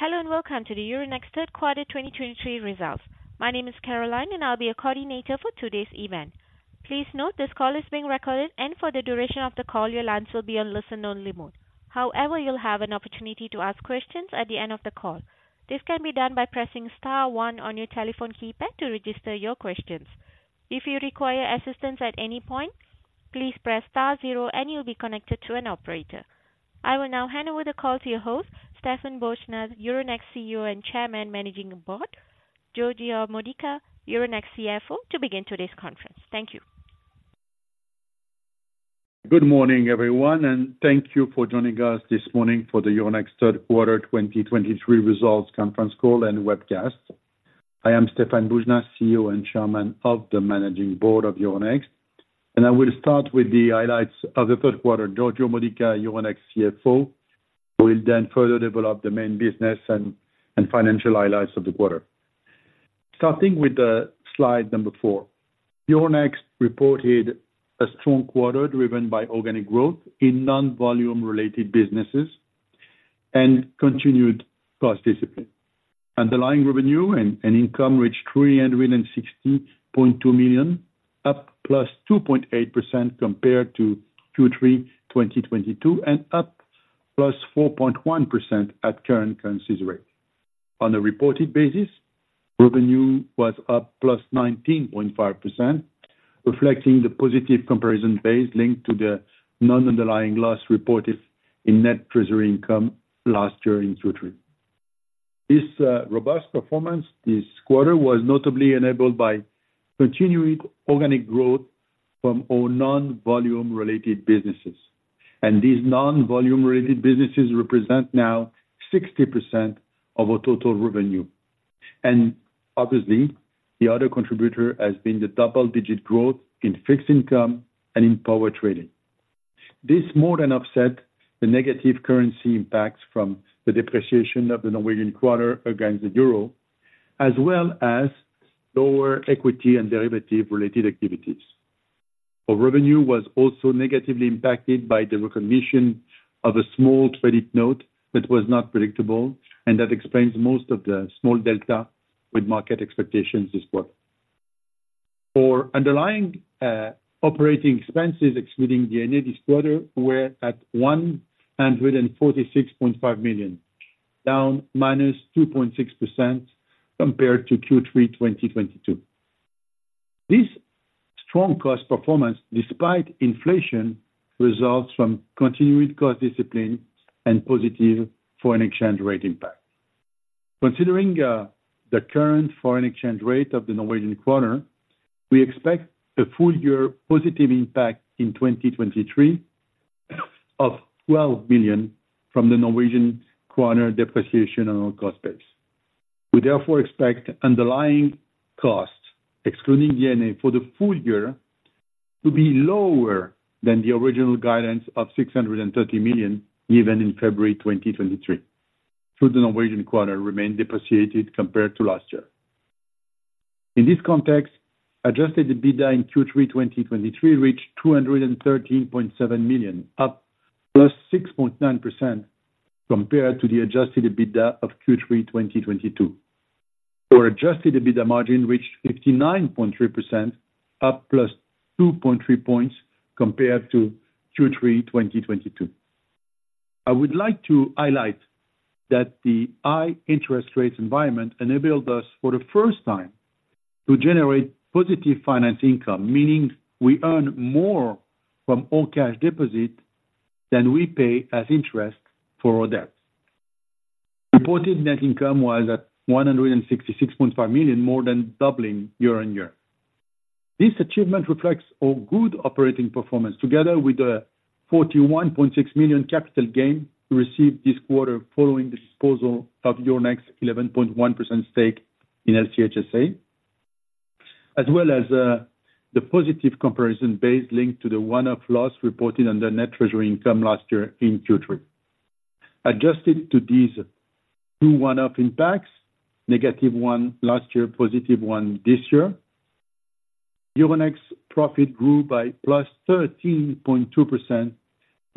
Hello, and welcome to the Euronext Q3 2023 results. My name is Caroline, and I'll be your coordinator for today's event. Please note, this call is being recorded, and for the duration of the call, your lines will be on listen-only mode. However, you'll have an opportunity to ask questions at the end of the call. This can be done by pressing star one on your telephone keypad to register your questions. If you require assistance at any point, please press star zero, and you'll be connected to an operator. I will now hand over the call to your host, Stéphane Boujnah, Euronext CEO and Chairman, Managing Board, Giorgio Modica, Euronext CFO, to begin today's conference. Thank you. Good morning, everyone, and thank you for joining us this morning for the Euronext Q3 2023 results conference call and webcast. I am Stéphane Boujnah, CEO and Chairman of the Managing Board of Euronext, and I will start with the highlights of the Q3. Giorgio Modica, Euronext CFO, will then further develop the main business and financial highlights of the quarter. Starting with the slide number four. Euronext reported a strong quarter driven by organic growth in non-volume related businesses and continued cost discipline. Underlying revenue and income reached 360.2 million, up +2.8% compared to Q3 2022, and up +4.1% at current currency rate. On a reported basis, revenue was up +19.5%, reflecting the positive comparison base linked to the non-underlying loss reported in net treasury income last year in Q3. This, robust performance this quarter was notably enabled by continuing organic growth from all non-volume related businesses, and these non-volume related businesses represent now 60% of our total revenue. Obviously, the other contributor has been the double-digit growth in fixed income and in power trading. This more than offset the negative currency impacts from the depreciation of the Norwegian kroner against the euro, as well as lower equity and derivative-related activities. Our revenue was also negatively impacted by the recognition of a small credit note that was not predictable, and that explains most of the small delta with market expectations this quarter. For underlying operating expenses, excluding D&A this quarter, were at 146.5 million, down -2.6% compared to Q3 2022. This strong cost performance, despite inflation, results from continued cost discipline and positive foreign exchange rate impact. Considering the current foreign exchange rate of the Norwegian kroner, we expect a full-year positive impact in 2023 of 12 billion from the Norwegian kroner depreciation on our cost base. We therefore expect underlying costs, excluding D&A for the full year, to be lower than the original guidance of 630 million given in February 2023, should the Norwegian kroner remain depreciated compared to last year. In this context, Adjusted EBITDA in Q3 2023 reached 213.7 million, up +6.9% compared to the Adjusted EBITDA of Q3 2022. Our Adjusted EBITDA margin reached 59.3%, up +2.3 points compared to Q3 2022. I would like to highlight that the high interest rates environment enabled us, for the first time, to generate positive finance income, meaning we earn more from all cash deposits than we pay as interest for our debts. Reported net income was at 166.5 million, more than doubling year-on-year. This achievement reflects our good operating performance, together with the 41.6 million capital gain we received this quarter following the disposal of Euronext's 11.1% stake in LCH SA, as well as the positive comparison base linked to the one-off loss reported on the net treasury income last year in Q3. Adjusted to these two one-off impacts, negative one last year, positive one this year, Euronext's profit grew by +13.2% to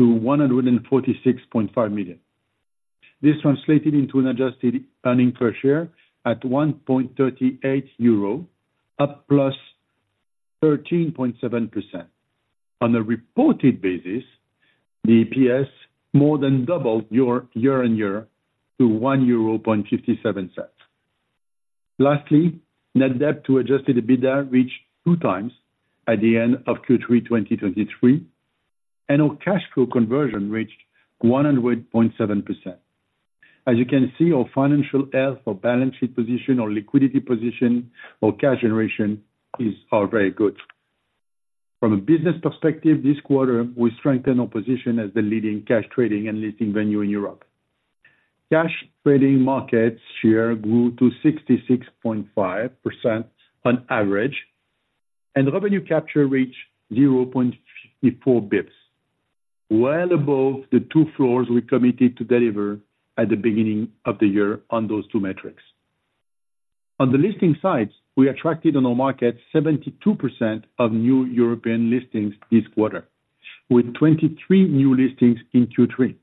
146.5 million. This translated into an adjusted earning per share at 1.38 euro, up +13.7%. On a reported basis, the EPS more than doubled year-on-year to 1.57 euro. Lastly, net debt to Adjusted EBITDA reached 2x at the end of Q3 2023, and our cash flow conversion reached 100.7%. As you can see, our financial health, our balance sheet position, our liquidity position, our cash generation is, are very good. From a business perspective, this quarter, we strengthened our position as the leading cash trading and listing venue in Europe. Cash trading market share grew to 66.5% on average, and revenue capture reached 0.4 basis points, well above the two floors we committed to deliver at the beginning of the year on those two metrics. On the listing sites, we attracted on our market 72% of new European listings this quarter, with 23 new listings in Q3,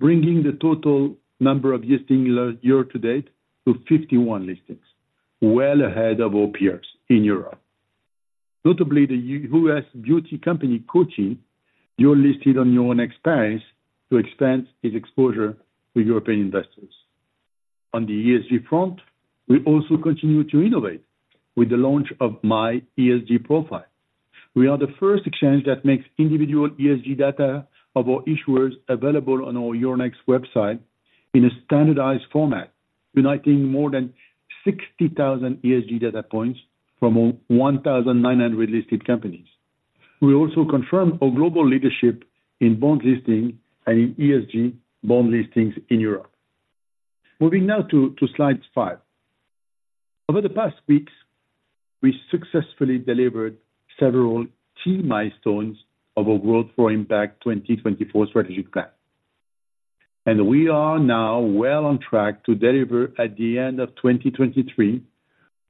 bringing the total number of listings year to date to 51 listings, well ahead of our peers in Europe. Notably, the US beauty company, Gucci, dual listed on Euronext Paris to expand its exposure to European investors. On the ESG front, we also continue to innovate with the launch of My ESG Profile. We are the first exchange that makes individual ESG data of our issuers available on our Euronext website in a standardized format, uniting more than 60,000 ESG data points from 1,900 listed companies. We also confirm our global leadership in bond listing and in ESG bond listings in Europe. Moving now to slide five. Over the past weeks, we successfully delivered several key milestones of our Growth for Impact 2024 strategic plan. We are now well on track to deliver at the end of 2023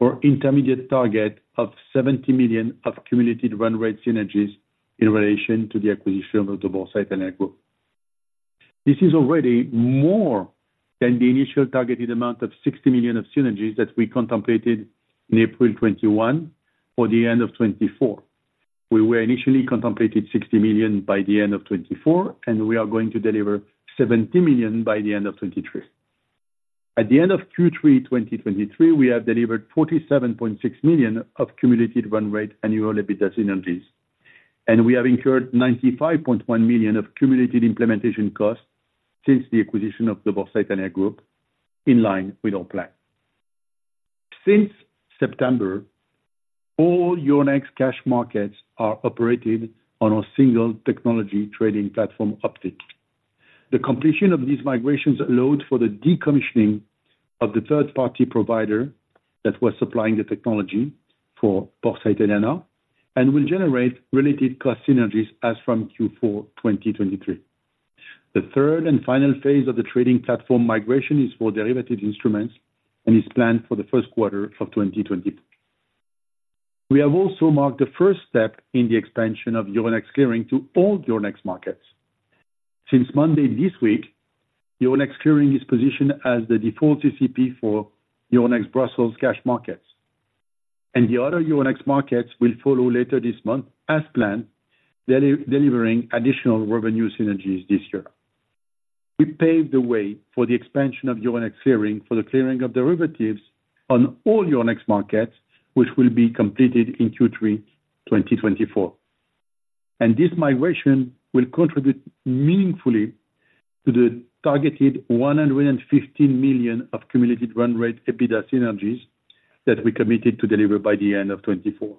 our intermediate target of 70 million of cumulative run rate synergies in relation to the acquisition of Borsa Italiana. This is already more than the initial targeted amount of 60 million of synergies that we contemplated in April 2021 for the end of 2024. We were initially contemplated 60 million by the end of 2024, and we are going to deliver 70 million by the end of 2023. At the end of Q3 2023, we have delivered 47.6 million of cumulative run rate annual EBITDA synergies, and we have incurred 95.1 million of cumulative implementation costs since the acquisition of the Borsa Italiana group, in line with our plan. Since September, all Euronext cash markets are operated on our single technology trading platform, Optiq. The completion of these migrations allowed for the decommissioning of the third-party provider that was supplying the technology for Borsa Italiana and will generate related cost synergies as from Q4 2023. The third and final phase of the trading platform migration is for derivative instruments and is planned for the Q1 of 2024. We have also marked the first step in the expansion of Euronext Clearing to all Euronext markets. Since Monday, this week, Euronext Clearing is positioned as the default CCP for Euronext Brussels cash markets, and the other Euronext markets will follow later this month, as planned, delivering additional revenue synergies this year. We paved the way for the expansion of Euronext Clearing, for the clearing of derivatives on all Euronext markets, which will be completed in Q3 2024. And this migration will contribute meaningfully to the targeted 115 million of cumulative run rate EBITDA synergies that we committed to deliver by the end of 2024.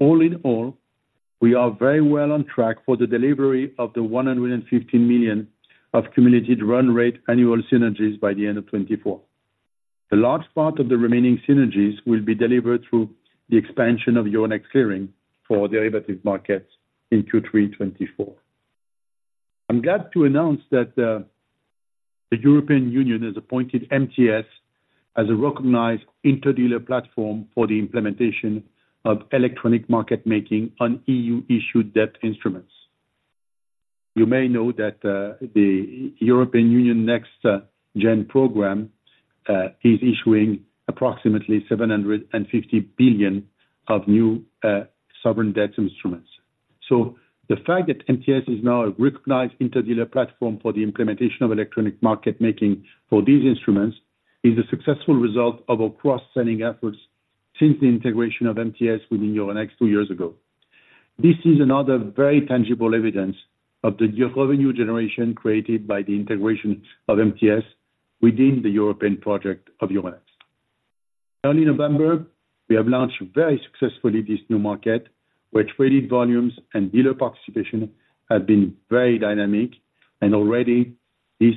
All in all, we are very well on track for the delivery of the 115 million of cumulative run rate annual synergies by the end of 2024. The large part of the remaining synergies will be delivered through the expansion of Euronext Clearing for derivative markets in Q3 2024. I'm glad to announce that the European Union has appointed MTS as a recognized interdealer platform for the implementation of electronic market making on EU-issued debt instruments. You may know that the European Union Next Gen program is issuing approximately 750 billion of new sovereign debt instruments. So the fact that MTS is now a recognized interdealer platform for the implementation of electronic market making for these instruments is a successful result of our cross-selling efforts since the integration of MTS within Euronext two years ago. This is another very tangible evidence of the revenue generation created by the integration of MTS within the European project of Euronext. Early November, we have launched very successfully this new market, where trading volumes and dealer participation have been very dynamic, and already these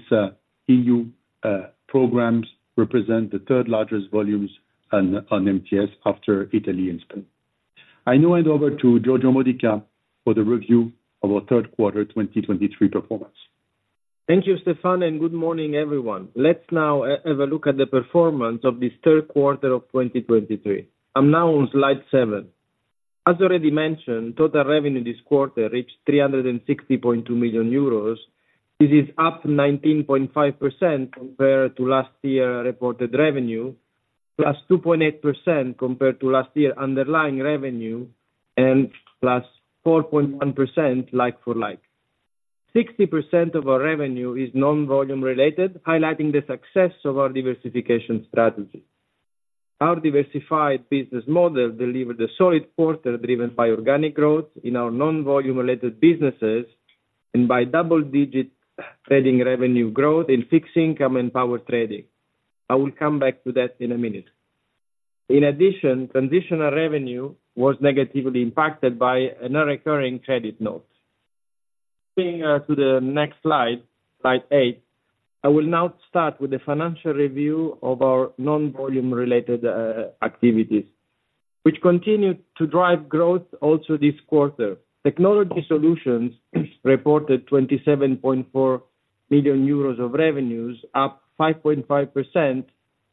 EU programs represent the third largest volumes on MTS after Italy and Spain. I now hand over to Giorgio Modica for the review of our Q3 2023 performance. Thank you, Stéphane, and good morning, everyone. Let's now have a look at the performance of this Q3 of 2023. I'm now on slide seven. As already mentioned, total revenue this quarter reached 360.2 million euros. This is up 19.5% compared to last year reported revenue, +2.8% compared to last year underlying revenue, and +4.1% like for like. 60% of our revenue is non-volume related, highlighting the success of our diversification strategy. Our diversified business model delivered a solid quarter, driven by organic growth in our non-volume related businesses, and by double digit trading revenue growth in fixed income and power trading. I will come back to that in a minute. In addition, transitional revenue was negatively impacted by a non-recurring credit note. Moving to the next slide, slide eight. I will now start with the financial review of our non-volume related activities, which continued to drive growth also this quarter. Technology Solutions reported 27.4 million euros of revenues, up 5.5%,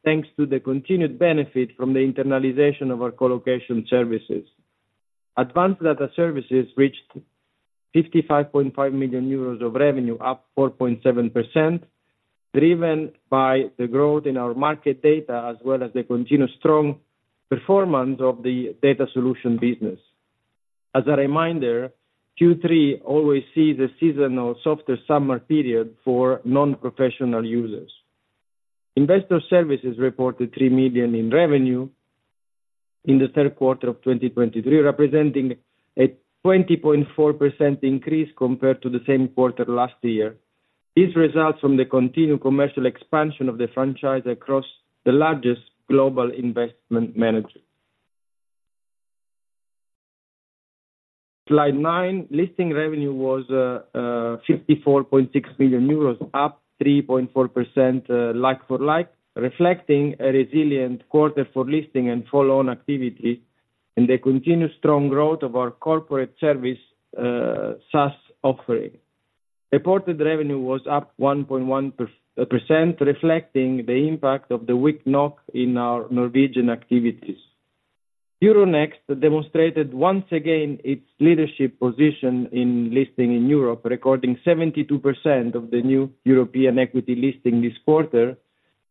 thanks to the continued benefit from the internalization of our colocation services. Advanced Data Services reached 55.5 million euros of revenue, up 4.7%, driven by the growth in our market data, as well as the continued strong performance of the data solution business. As a reminder, Q3 always sees a seasonal softer summer period for non-professional users. Investor Services reported 3 million in revenue in the third quarter of 2023, representing a 20.4% increase compared to the same quarter last year. This results from the continued commercial expansion of the franchise across the largest global investment manager. Slide nine: Listing revenue was 54.6 billion euros, up 3.4%, like for like, reflecting a resilient quarter for listing and follow-on activity, and the continued strong growth of our corporate service SaaS offering. Reported revenue was up 1.1%, reflecting the impact of the weak NOK in our Norwegian activities. Euronext demonstrated once again its leadership position in listing in Europe, recording 72% of the new European equity listing this quarter,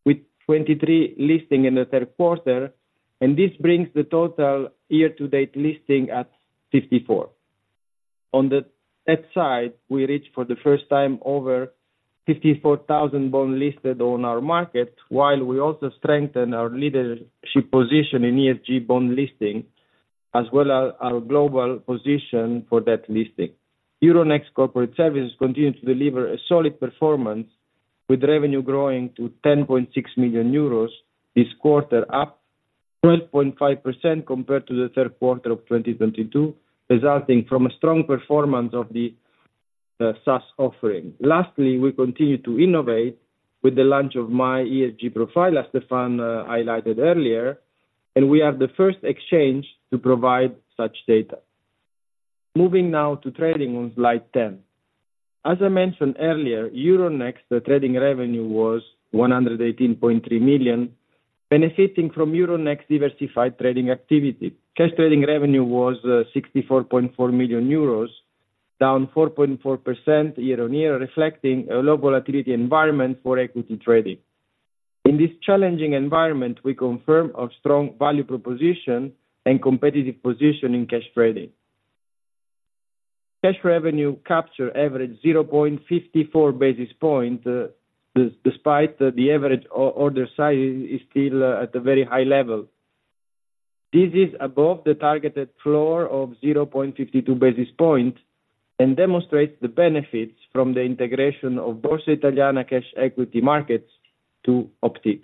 with 23 listing in the Q3, and this brings the total year-to-date listing at 54. On the debt side, we reached for the first time over 54,000 bond listed on our market, while we also strengthen our leadership position in ESG bond listing, as well as our global position for that listing. Euronext Corporate Services continues to deliver a solid performance, with revenue growing to 10.6 million euros this quarter, up 12.5% compared to the Q3 of 2022, resulting from a strong performance of the SaaS offering. Lastly, we continue to innovate with the launch of my ESG profile, as Stéphane highlighted earlier, and we are the first exchange to provide such data. Moving now to trading on slide 10. As I mentioned earlier, Euronext, the trading revenue was 118.3 million, benefiting from Euronext diversified trading activity. Cash trading revenue was 64.4 million euros, down 4.4% year-on-year, reflecting a low volatility environment for equity trading. In this challenging environment, we confirm our strong value proposition and competitive position in cash trading. Cash revenue capture averaged 0.54 basis point, despite the average order size is still at a very high level. This is above the targeted floor of 0.52 basis points and demonstrates the benefits from the integration of Borsa Italiana cash equity markets to Optiq.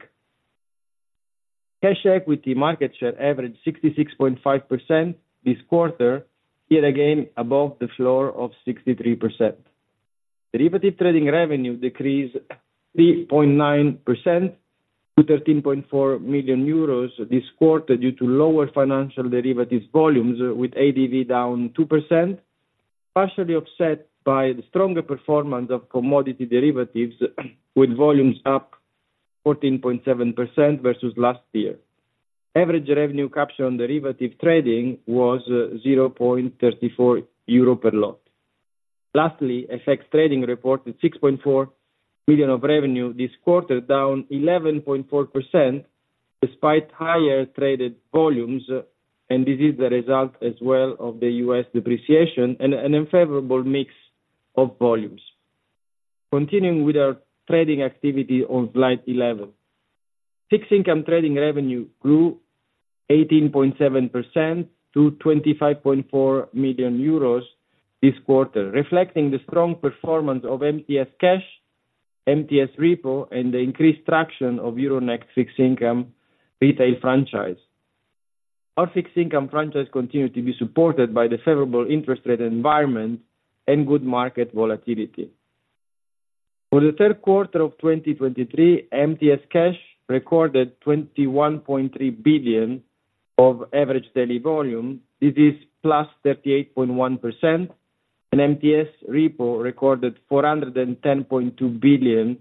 Cash equity market share averaged 66.5% this quarter, yet again, above the floor of 63%. Derivative trading revenue decreased 3.9% to 13.4 million euros this quarter, due to lower financial derivatives volumes, with ADV down 2%, partially offset by the stronger performance of commodity derivatives, with volumes up 14.7% versus last year. Average revenue capture on derivative trading was 0.34 euro per lot. Lastly, FX trading reported 6.4 million of revenue this quarter, down 11.4%, despite higher traded volumes, and this is the result as well of the US depreciation and an unfavorable mix of volumes. Continuing with our trading activity on slide 11. Fixed income trading revenue grew 18.7% to 25.4 million euros this quarter, reflecting the strong performance of MTS Cash, MTS Repo, and the increased traction of Euronext fixed income retail franchise. Our fixed income franchise continued to be supported by the favorable interest rate environment and good market volatility. For the Q3 of 2023, MTS Cash recorded 21.3 billion of average daily volume. This is +38.1%, and MTS Repo recorded 410.2 billion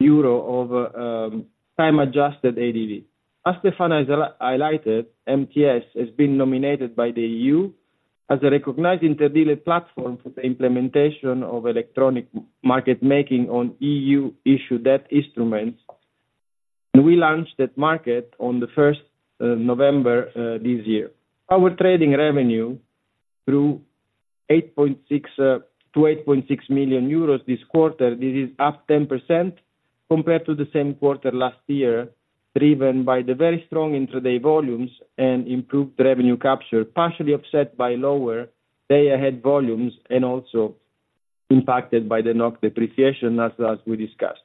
euro over time-adjusted ADV. As Stéphane has highlighted, MTS has been nominated by the EU as a recognized interdealer platform for the implementation of electronic market making on EU-issued debt instruments, and we launched that market on the first of November this year. Our trading revenue through 8.6 million-8.6 million euros this quarter. This is up 10% compared to the same quarter last year, driven by the very strong intraday volumes and improved revenue capture, partially offset by lower day-ahead volumes, and also impacted by the NOK depreciation, as we discussed.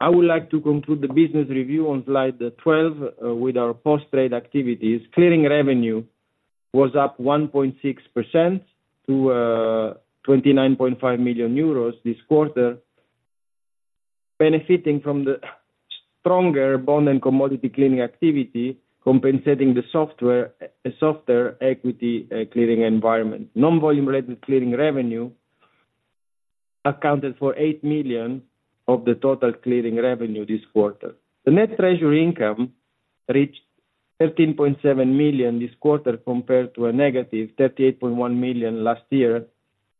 I would like to conclude the business review on slide 12 with our post-trade activities. Clearing revenue was up 1.6% to 29.5 million euros this quarter, benefiting from the stronger bond and commodity clearing activity, compensating the software, a softer equity clearing environment. Non-volume related clearing revenue accounted for 8 million of the total clearing revenue this quarter. The net treasury income reached 13.7 million this quarter, compared to a -38.1 million last year.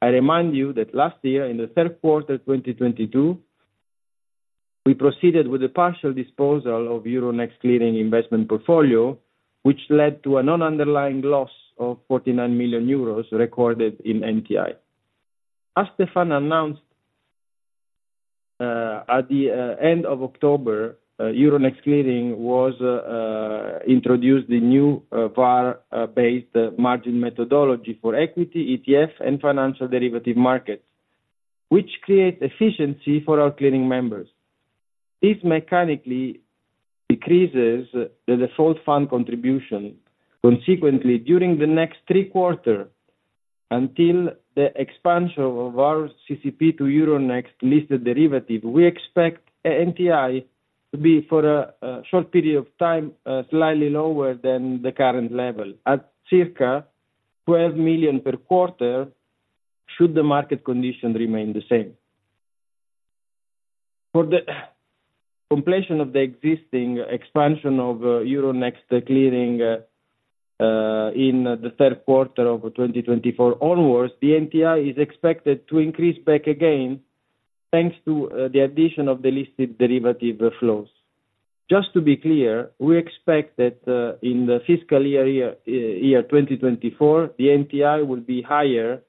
I remind you that last year, in the third quarter of 2022, we proceeded with a partial disposal of Euronext Clearing investment portfolio, which led to a non-underlying loss of 49 million euros recorded in NTI. As Stefan announced, at the end of October, Euronext Clearing was introduced the new VAR-based margin methodology for equity, ETF, and financial derivative markets, which create efficiency for our clearing members. This mechanically decreases the default fund contribution. Consequently, during the next three quarter, until the expansion of our CCP to Euronext listed derivative, we expect NTI to be, for a short period of time, slightly lower than the current level, at circa 12 million per quarter, should the market condition remain the same. For the completion of the existing expansion of Euronext Clearing in the Q3 of 2024 onwards, the NTI is expected to increase back again, thanks to the addition of the listed derivative flows. Just to be clear, we expect that in the fiscal year 2024, the NTI will be higher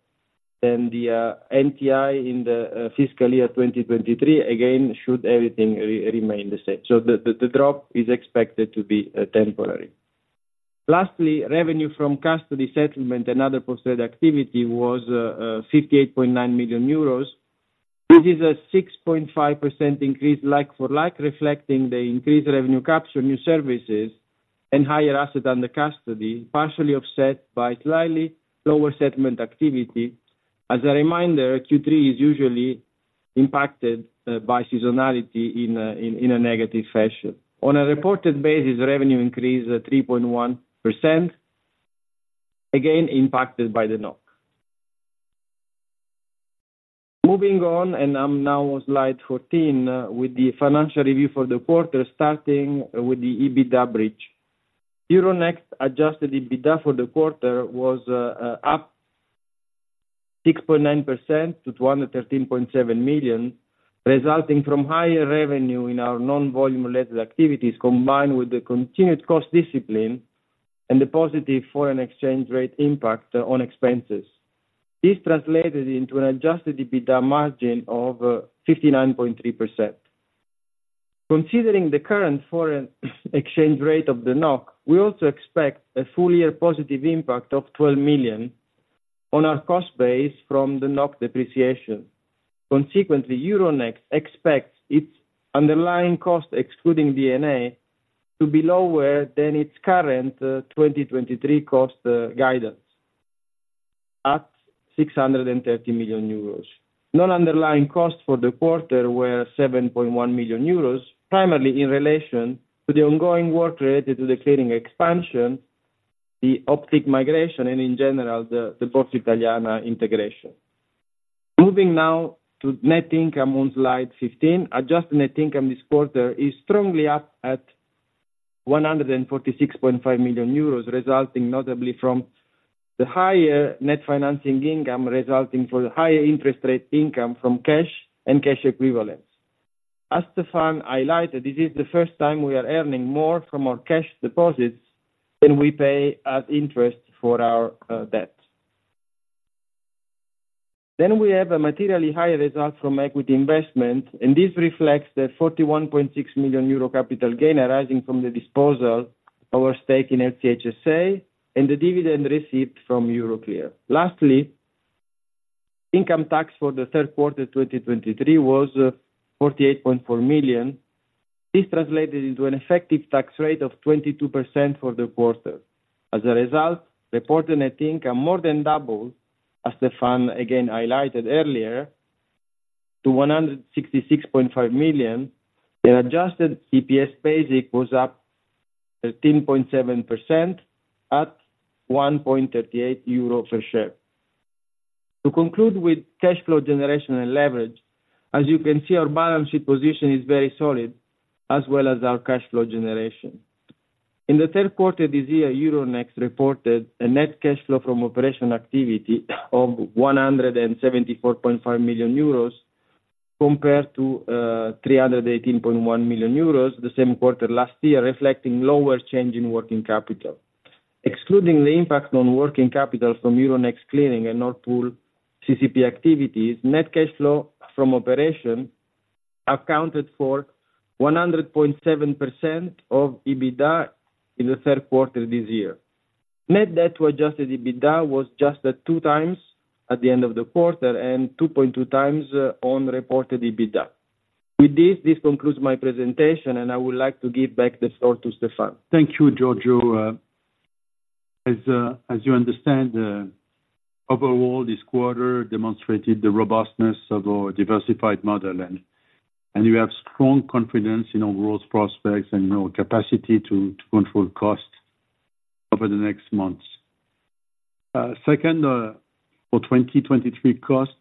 than the NTI in the fiscal year 2023, again, should everything remain the same. So the drop is expected to be temporary. Lastly, revenue from custody settlement and other posted activity was 58.9 million euros. This is a 6.5% increase, like for like, reflecting the increased revenue capture new services and higher asset under custody, partially offset by slightly lower settlement activity. As a reminder, Q3 is usually impacted by seasonality in a negative fashion. On a reported basis, revenue increased 3.1%, again, impacted by the NOK. Moving on, I'm now on slide 14 with the financial review for the quarter, starting with the EBITDA bridge. Euronext adjusted EBITDA for the quarter was up 6.9% to 113.7 million, resulting from higher revenue in our non-volume related activities, combined with the continued cost discipline and the positive foreign exchange rate impact on expenses. This translated into an adjusted EBITDA margin of 59.3%. Considering the current foreign exchange rate of the NOK, we also expect a full-year positive impact of 12 million on our cost base from the NOK depreciation. Consequently, Euronext expects its underlying cost, excluding DNA, to be lower than its current 2023 cost guidance, at 630 million euros. Non-underlying costs for the quarter were 7.1 million euros, primarily in relation to the ongoing work related to the clearing expansion, the Optiq migration, and in general, the Borsa Italiana integration. Moving now to net income on slide 15. Adjusted net income this quarter is strongly up at 146.5 million euros, resulting notably from the higher net financing income, resulting from the higher interest rate income from cash and cash equivalents. As Stéphane highlighted, this is the first time we are earning more from our cash deposits than we pay as interest for our debt. Then we have a materially higher result from equity investment, and this reflects the 41.6 million euro capital gain arising from the disposal of our stake in LCH SA and the dividend received from Euroclear. Lastly, income tax for the Q3 2023 was 48.4 million. This translated into an effective tax rate of 22% for the quarter. As a result, reported net income more than doubled, as Stéphane again highlighted earlier, to 166.5 million, and adjusted EPS basic was up 13.7% at 1.38 euro per share. To conclude with cash flow generation and leverage, as you can see, our balance sheet position is very solid, as well as our cash flow generation. In the Q3 this year, Euronext reported a net cash flow from operation activity of 174.5 million euros, compared to 318.1 million euros the same quarter last year, reflecting lower change in working capital. Excluding the impact on working capital from Euronext Clearing and Nord Pool CCP activities, net cash flow from operation accounted for 100.7% of EBITDA in the third quarter this year. Net debt to adjusted EBITDA was just at 2x at the end of the quarter, and 2.2x on reported EBITDA. With this, this concludes my presentation, and I would like to give back the floor to Stéphane. Thank you, Giorgio. As you understand, overall, this quarter demonstrated the robustness of our diversified model, and we have strong confidence in our growth prospects and our capacity to control costs over the next months. Second, for 2023, costs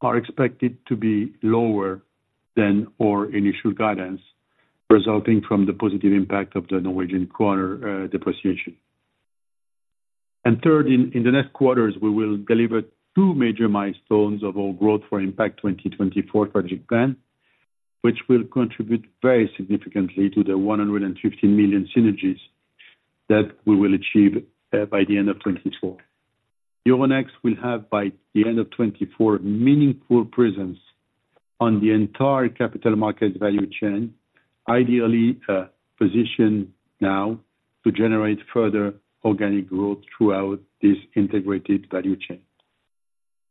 are expected to be lower than our initial guidance, resulting from the positive impact of the Norwegian krone depreciation. And third, in the next quarters, we will deliver two major milestones of our growth for Impact 2024 project plan, which will contribute very significantly to the 150 million synergies that we will achieve by the end of 2024. Euronext will have, by the end of 2024, meaningful presence on the entire capital market value chain, ideally positioned now to generate further organic growth throughout this integrated value chain.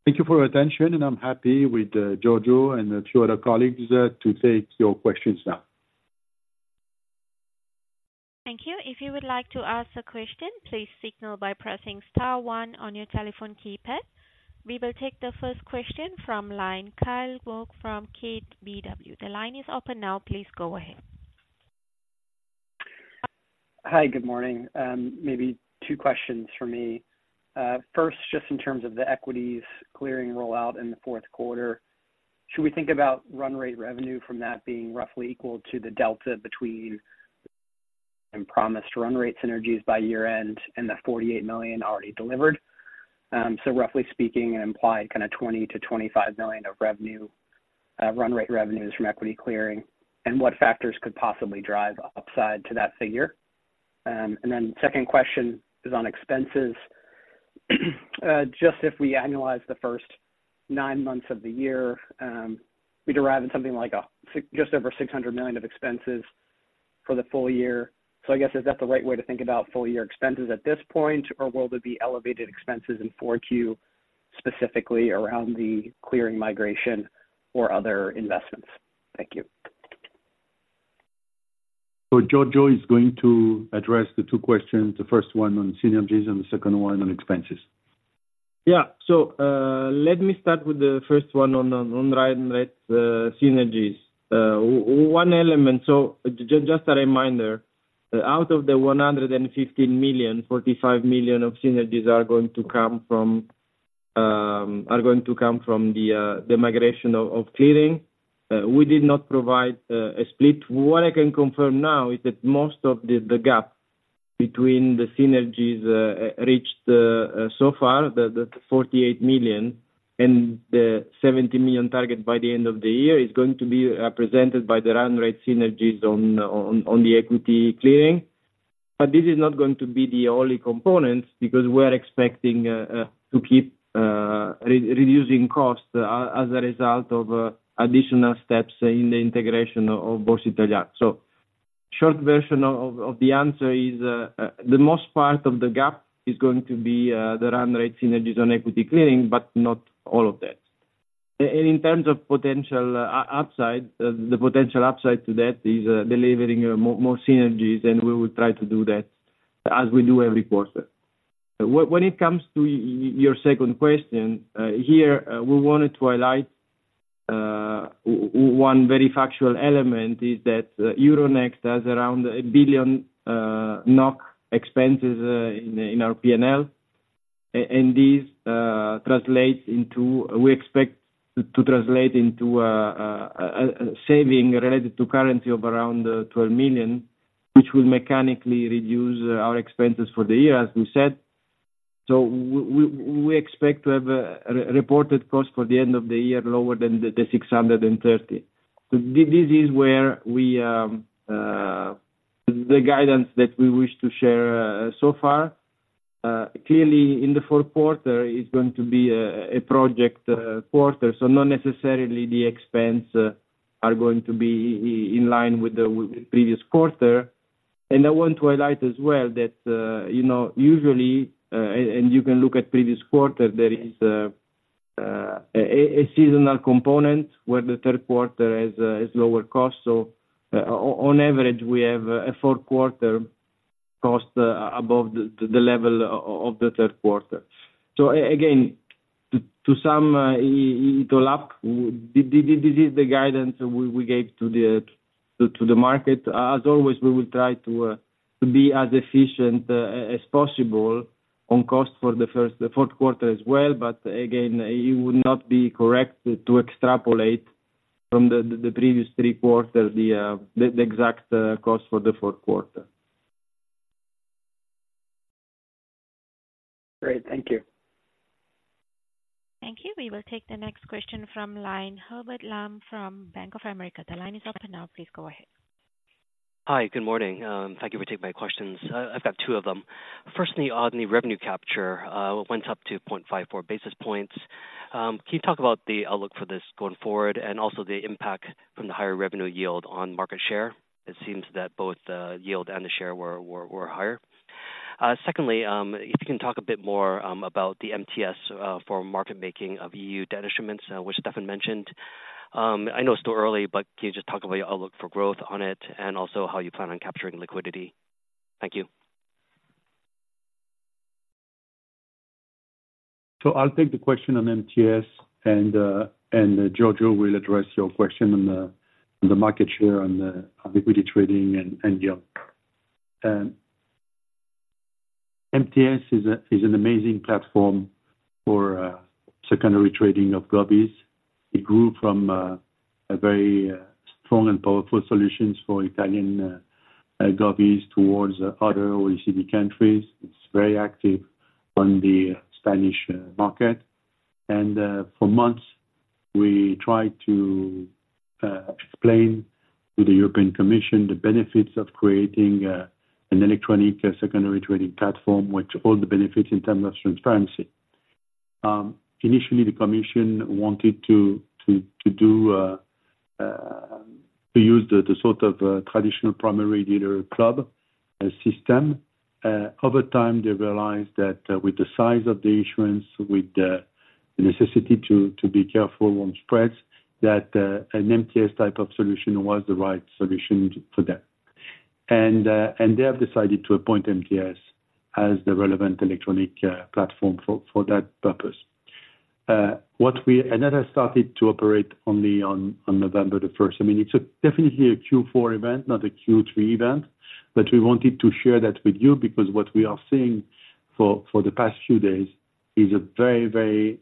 Thank you for your attention, and I'm happy, with Giorgio and two other colleagues, to take your questions now. Thank you. If you would like to ask a question, please signal by pressing star one on your telephone keypad. We will take the first question from line, Kyle Voigt from KBW. The line is open now. Please go ahead. Hi, good morning. Maybe two questions for me. First, just in terms of the equities clearing rollout in the Q4, should we think about run rate revenue from that being roughly equal to the delta between and promised run rate synergies by year-end, and the 48 million already delivered? So roughly speaking, an implied kind of 20 million-25 million of revenue, run rate revenues from equity clearing, and what factors could possibly drive upside to that figure? And then second question is on expenses. Just if we annualize the first nine months of the year, we derive in something like just over 600 million of expenses for the full year. I guess, is that the right way to think about full year expenses at this point, or will there be elevated expenses in Q4, specifically around the clearing migration or other investments? Thank you. Giorgio is going to address the two questions, the first one on synergies and the second one on expenses. Yeah. So, let me start with the first one on run rate synergies. One element, so just a reminder, out of the 150 million, 45 million of synergies are going to come from the migration of clearing. We did not provide a split. What I can confirm now is that most of the gap between the synergies reached so far, the 48 million, and the 70 million target by the end of the year, is going to be presented by the run rate synergies on the equity clearing. But this is not going to be the only component, because we're expecting to keep reducing costs as a result of additional steps in the integration of Borsa Italiana. So short version of the answer is, the most part of the gap is going to be the run rate synergies on equity clearing, but not all of that. And in terms of potential upside, the potential upside to that is delivering more synergies, and we will try to do that as we do every quarter. When it comes to your second question, here, we wanted to highlight one very factual element, is that Euronext has around 1 billion NOK expenses in our PNL. And this translates into we expect to translate into a saving related to currency of around 12 million, which will mechanically reduce our expenses for the year, as we said. So we expect to have a reported cost for the end of the year lower than the 630 million. So this is where we the guidance that we wish to share so far. Clearly, in the Q4 is going to be a project quarter, so not necessarily the expense are going to be in line with the previous quarter. And I want to highlight as well that, you know, usually, and you can look at previous quarter, there is a seasonal component where the Q3 has lower costs. So on average, we have a Q4 cost above the level of the Q3. So again, to sum it all up, this is the guidance we gave to the market. As always, we will try to be as efficient as possible on cost for the first, the Q4 as well, but again, it would not be correct to extrapolate from the previous three quarters, the exact cost for the Q4. Great. Thank you. Thank you. We will take the next question from line, Hubert Lam from Bank of America. The line is open now, please go ahead. Hi, good morning. Thank you for taking my questions. I've got two of them. Firstly, on the revenue capture, it went up to 0.54 basis points. Can you talk about the outlook for this going forward, and also the impact from the higher revenue yield on market share? It seems that both the yield and the share were higher. Secondly, if you can talk a bit more about the MTS for market making of EU debt instruments, which Stéphane mentioned. I know it's still early, but can you just talk about your outlook for growth on it, and also how you plan on capturing liquidity? Thank you. So I'll take the question on MTS, and Giorgio will address your question on the market share and on liquidity trading and yield. MTS is an amazing platform for secondary trading of govies. It grew from a very strong and powerful solutions for Italian govies towards other OECD countries. It's very active on the Spanish market. And for months, we tried to explain to the European Commission the benefits of creating an electronic secondary trading platform, which all the benefits in terms of transparency. Initially, the commission wanted to use the sort of traditional primary dealer club system. Over time, they realized that with the size of the issuance, with the necessity to be careful on spreads, that an MTS type of solution was the right solution for them. And they have decided to appoint MTS as the relevant electronic platform for that purpose. And that has started to operate only on November the 1st. I mean, it's a definitely a Q4 event, not a Q3 event, but we wanted to share that with you because what we are seeing for the past few days is a very, very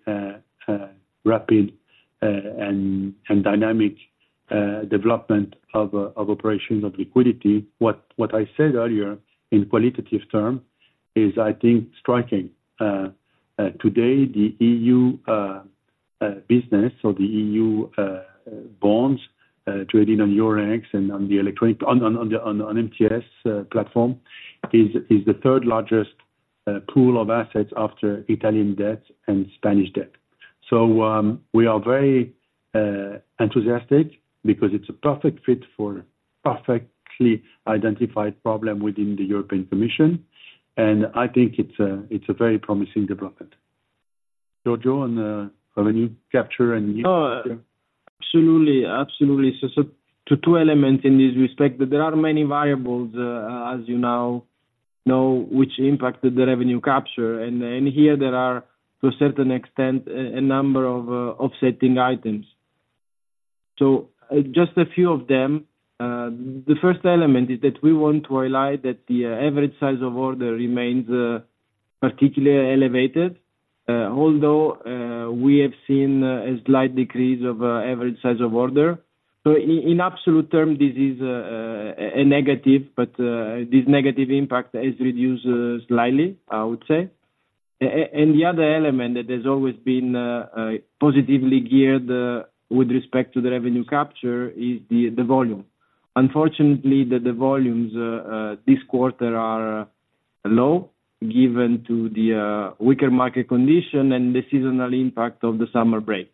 rapid and dynamic development of operations of liquidity. What I said earlier in qualitative term is, I think, striking. Today, the EU business, so the EU bonds trading on Euronext and on the electronic MTS platform is the third largest pool of assets after Italian debt and Spanish debt. So, we are very enthusiastic because it's a perfect fit for perfectly identified problem within the European Commission, and I think it's a very promising development. Giorgio, on revenue capture and- Oh, absolutely. Absolutely. So, two elements in this respect, that there are many variables, as you now know, which impacted the revenue capture. And here, there are, to a certain extent, a number of offsetting items. So, just a few of them, the first element is that we want to highlight that the average size of order remains particularly elevated, although we have seen a slight decrease of average size of order. So in absolute term, this is a negative, but this negative impact is reduced slightly, I would say. And the other element that has always been positively geared with respect to the revenue capture is the volume. Unfortunately, the volumes this quarter are low given the weaker market condition and the seasonal impact of the summer break.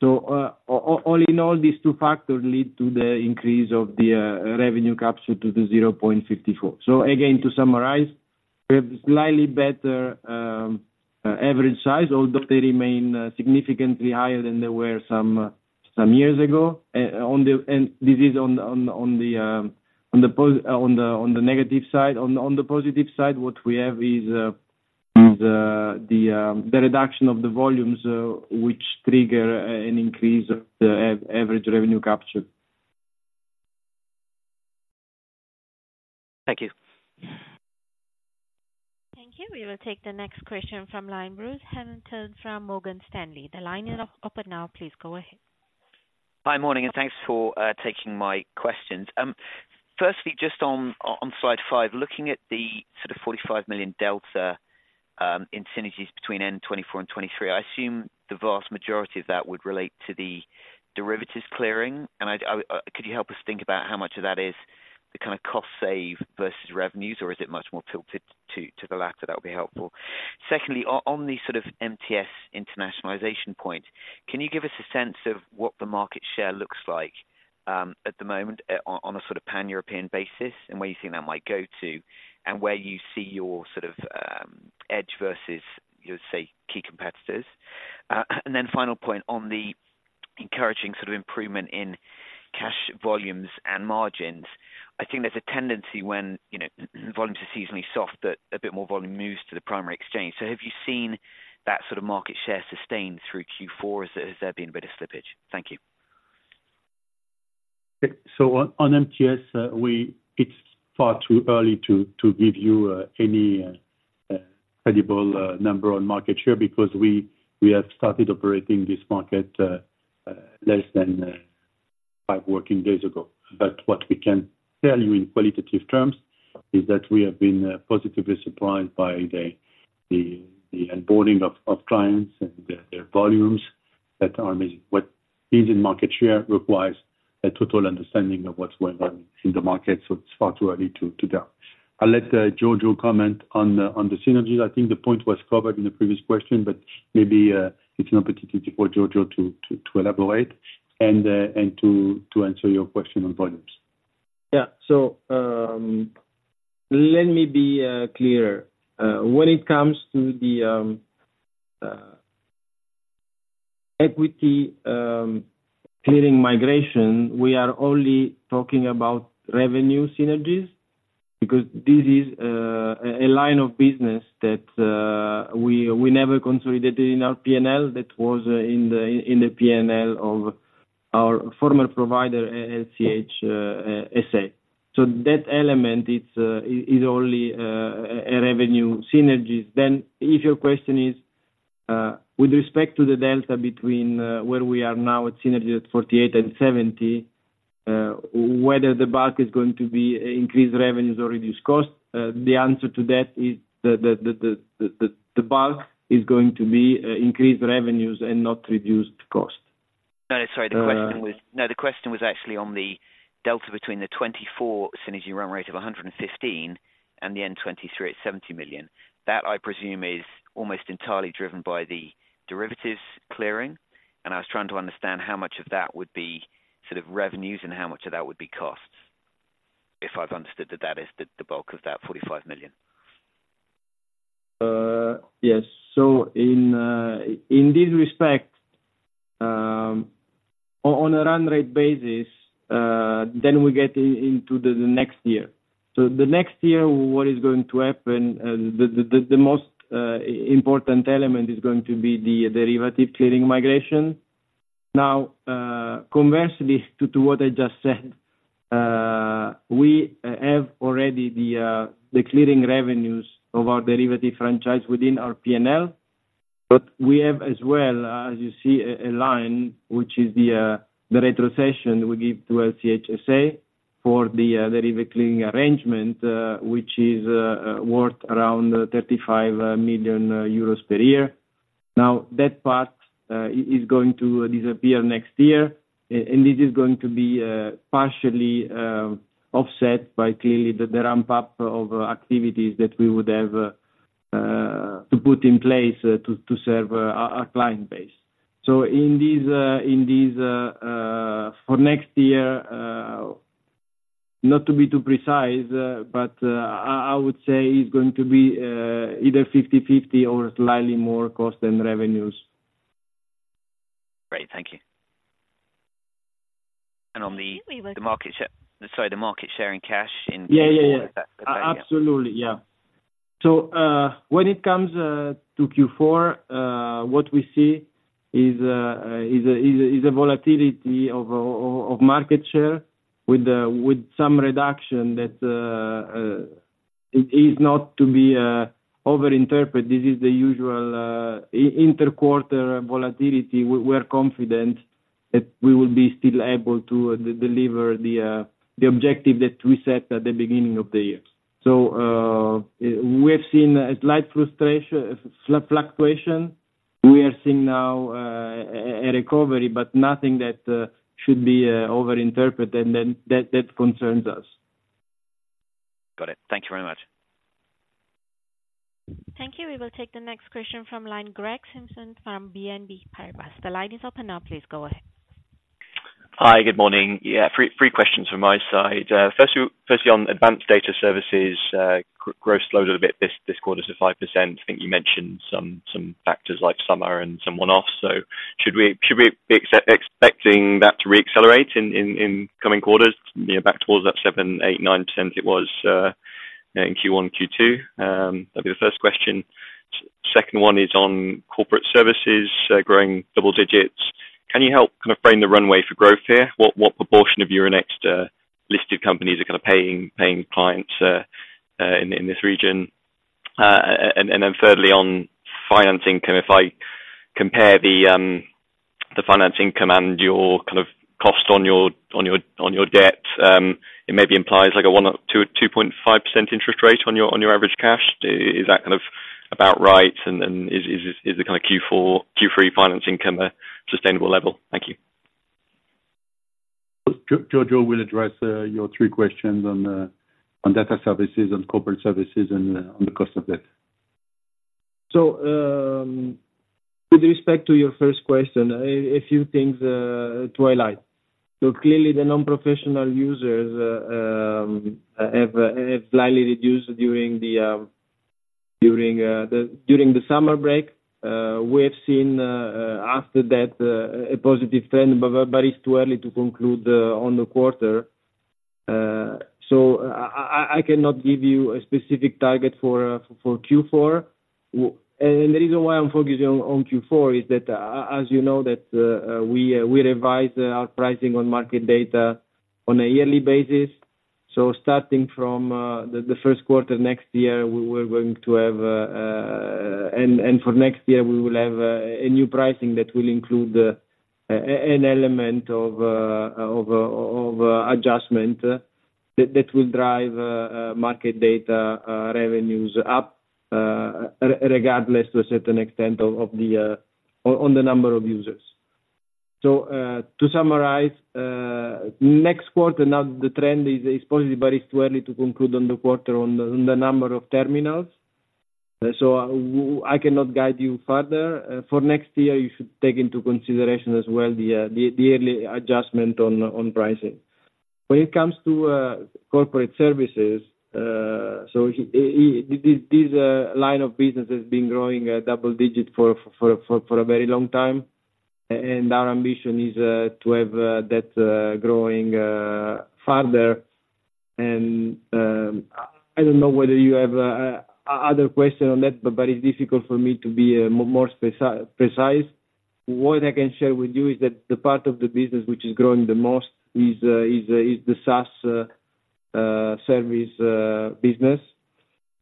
So, all in all, these two factors lead to the increase of the revenue capture to 0.54. So again, to summarize, we have slightly better average size, although they remain significantly higher than they were some years ago. This is on the negative side. On the positive side, what we have is the reduction of the volumes, which trigger an increase of the average revenue capture. Thank you. Thank you. We will take the next question from line. Bruce Hamilton from Morgan Stanley. The line is open now. Please go ahead. Hi, morning, and thanks for taking my questions. Firstly, just on slide five, looking at the sort of 45 million delta in synergies between 2024 and 2023, I assume the vast majority of that would relate to the derivatives clearing, and I could you help us think about how much of that is the kind of cost save versus revenues, or is it much more tilted to the latter? That would be helpful. Secondly, on the sort of MTS internationalization point, can you give us a sense of what the market share looks like at the moment on a sort of pan-European basis, and where you think that might go to, and where you see your sort of edge versus, let's say, key competitors? And then final point on the encouraging sort of improvement in cash volumes and margins. I think there's a tendency when, you know, volume is seasonally soft, that a bit more volume moves to the primary exchange. So have you seen that sort of market share sustained through Q4, or has there been a bit of slippage? Thank you. So on MTS, it's far too early to give you any credible number on market share, because we have started operating this market less than five working days ago. But what we can tell you in qualitative terms is that we have been positively surprised by the onboarding of clients and their volumes that are amazing. What is in market share requires a total understanding of what's going on in the market, so it's far too early to tell. I'll let Giorgio comment on the synergies. I think the point was covered in the previous question, but maybe it's an opportunity for Giorgio to elaborate and to answer your question on volumes. Yeah. So, let me be clear. When it comes to the equity clearing migration, we are only talking about revenue synergies, because this is a line of business that we never consolidated in our PNL, that was in the PNL of our former provider, LCH SA. So that element is only a revenue synergies. Then, if your question is with respect to the delta between where we are now at synergy at 48 and 70, whether the bank is going to be increased revenues or reduced costs, the answer to that is the bulk is going to be increased revenues and not reduced costs. No, sorry. Uh. The question was, no, the question was actually on the delta between the 2024 synergy run rate of 115 and the 2023 at 70 million. That, I presume, is almost entirely driven by the derivatives clearing, and I was trying to understand how much of that would be sort of revenues and how much of that would be costs, if I've understood that that is the bulk of that EUR 45 million. Yes. So in this respect, on a run rate basis, then we get into the next year. So the next year, what is going to happen, the most important element is going to be the derivative clearing migration. Now, conversely, to what I just said, we have already the clearing revenues of our derivative franchise within our PNL, but we have as well, as you see, a line which is the retrocession we give to LCH SA for the derivative clearing arrangement, which is worth around 35 million euros per year. Now, that part is going to disappear next year, and this is going to be partially offset by clearly the ramp up of activities that we would have to put in place to serve our client base. So in this for next year, not to be too precise, but I would say it's going to be either 50/50 or slightly more cost than revenues. Great, thank you. And on the- I think we would- the market share, sorry, the market share and cash in- Yeah, yeah, yeah. Is that fair? Yeah. Absolutely, yeah. So, when it comes to Q4, what we see is a volatility of market share with some reduction that it is not to be over-interpreted. This is the usual inter-quarter volatility. We're confident that we will be still able to deliver the objective that we set at the beginning of the year. So, we have seen a slight fluctuation. We are seeing now a recovery, but nothing that should be over-interpreted, and then that concerns us. Got it. Thank you very much. Thank you. We will take the next question from line, Greg Simpson from BNP Paribas. The line is open now, please go ahead. Hi, good morning. Yeah, three questions from my side. First, on advanced data services, growth slowed a bit this quarter to 5%. I think you mentioned some factors like summer and some one-off. So should we be expecting that to reaccelerate in coming quarters, you know, back towards that 7%, 8%, 9% it was in Q1, Q2? That'll be the first question. Second one is on corporate services, growing double digits. Can you help kind of frame the runway for growth here? What proportion of your Euronext listed companies are kind of paying clients in this region? And then thirdly, on finance income, if I compare the finance income and your kind of cost on your debt, it maybe implies like a 1 or 2, 2.5% interest rate on your average cash. Is that kind of about right? And is the kind of Q4, Q3 finance income a sustainable level? Thank you. Giorgio will address your three questions on data services and corporate services and on the cost of debt. So, with respect to your first question, a few things to highlight. So clearly, the non-professional users have slightly reduced during the summer break. We have seen after that a positive trend, but it's too early to conclude on the quarter. So I cannot give you a specific target for Q4. And the reason why I'm focusing on Q4 is that, as you know, we revise our pricing on market data on a yearly basis. So starting from the Q1 next year, we were going to have. For next year, we will have a new pricing that will include an element of adjustment that will drive market data revenues up, regardless to a certain extent of the number of users. So, to summarize, next quarter, now the trend is positive, but it's too early to conclude on the quarter on the number of terminals. So, I cannot guide you further. For next year, you should take into consideration as well the yearly adjustment on pricing. When it comes to corporate services, this line of business has been growing double-digit for a very long time. And our ambition is to have that growing further. And I don't know whether you have other question on that, but it's difficult for me to be more precise. What I can share with you is that the part of the business which is growing the most is the SaaS service business.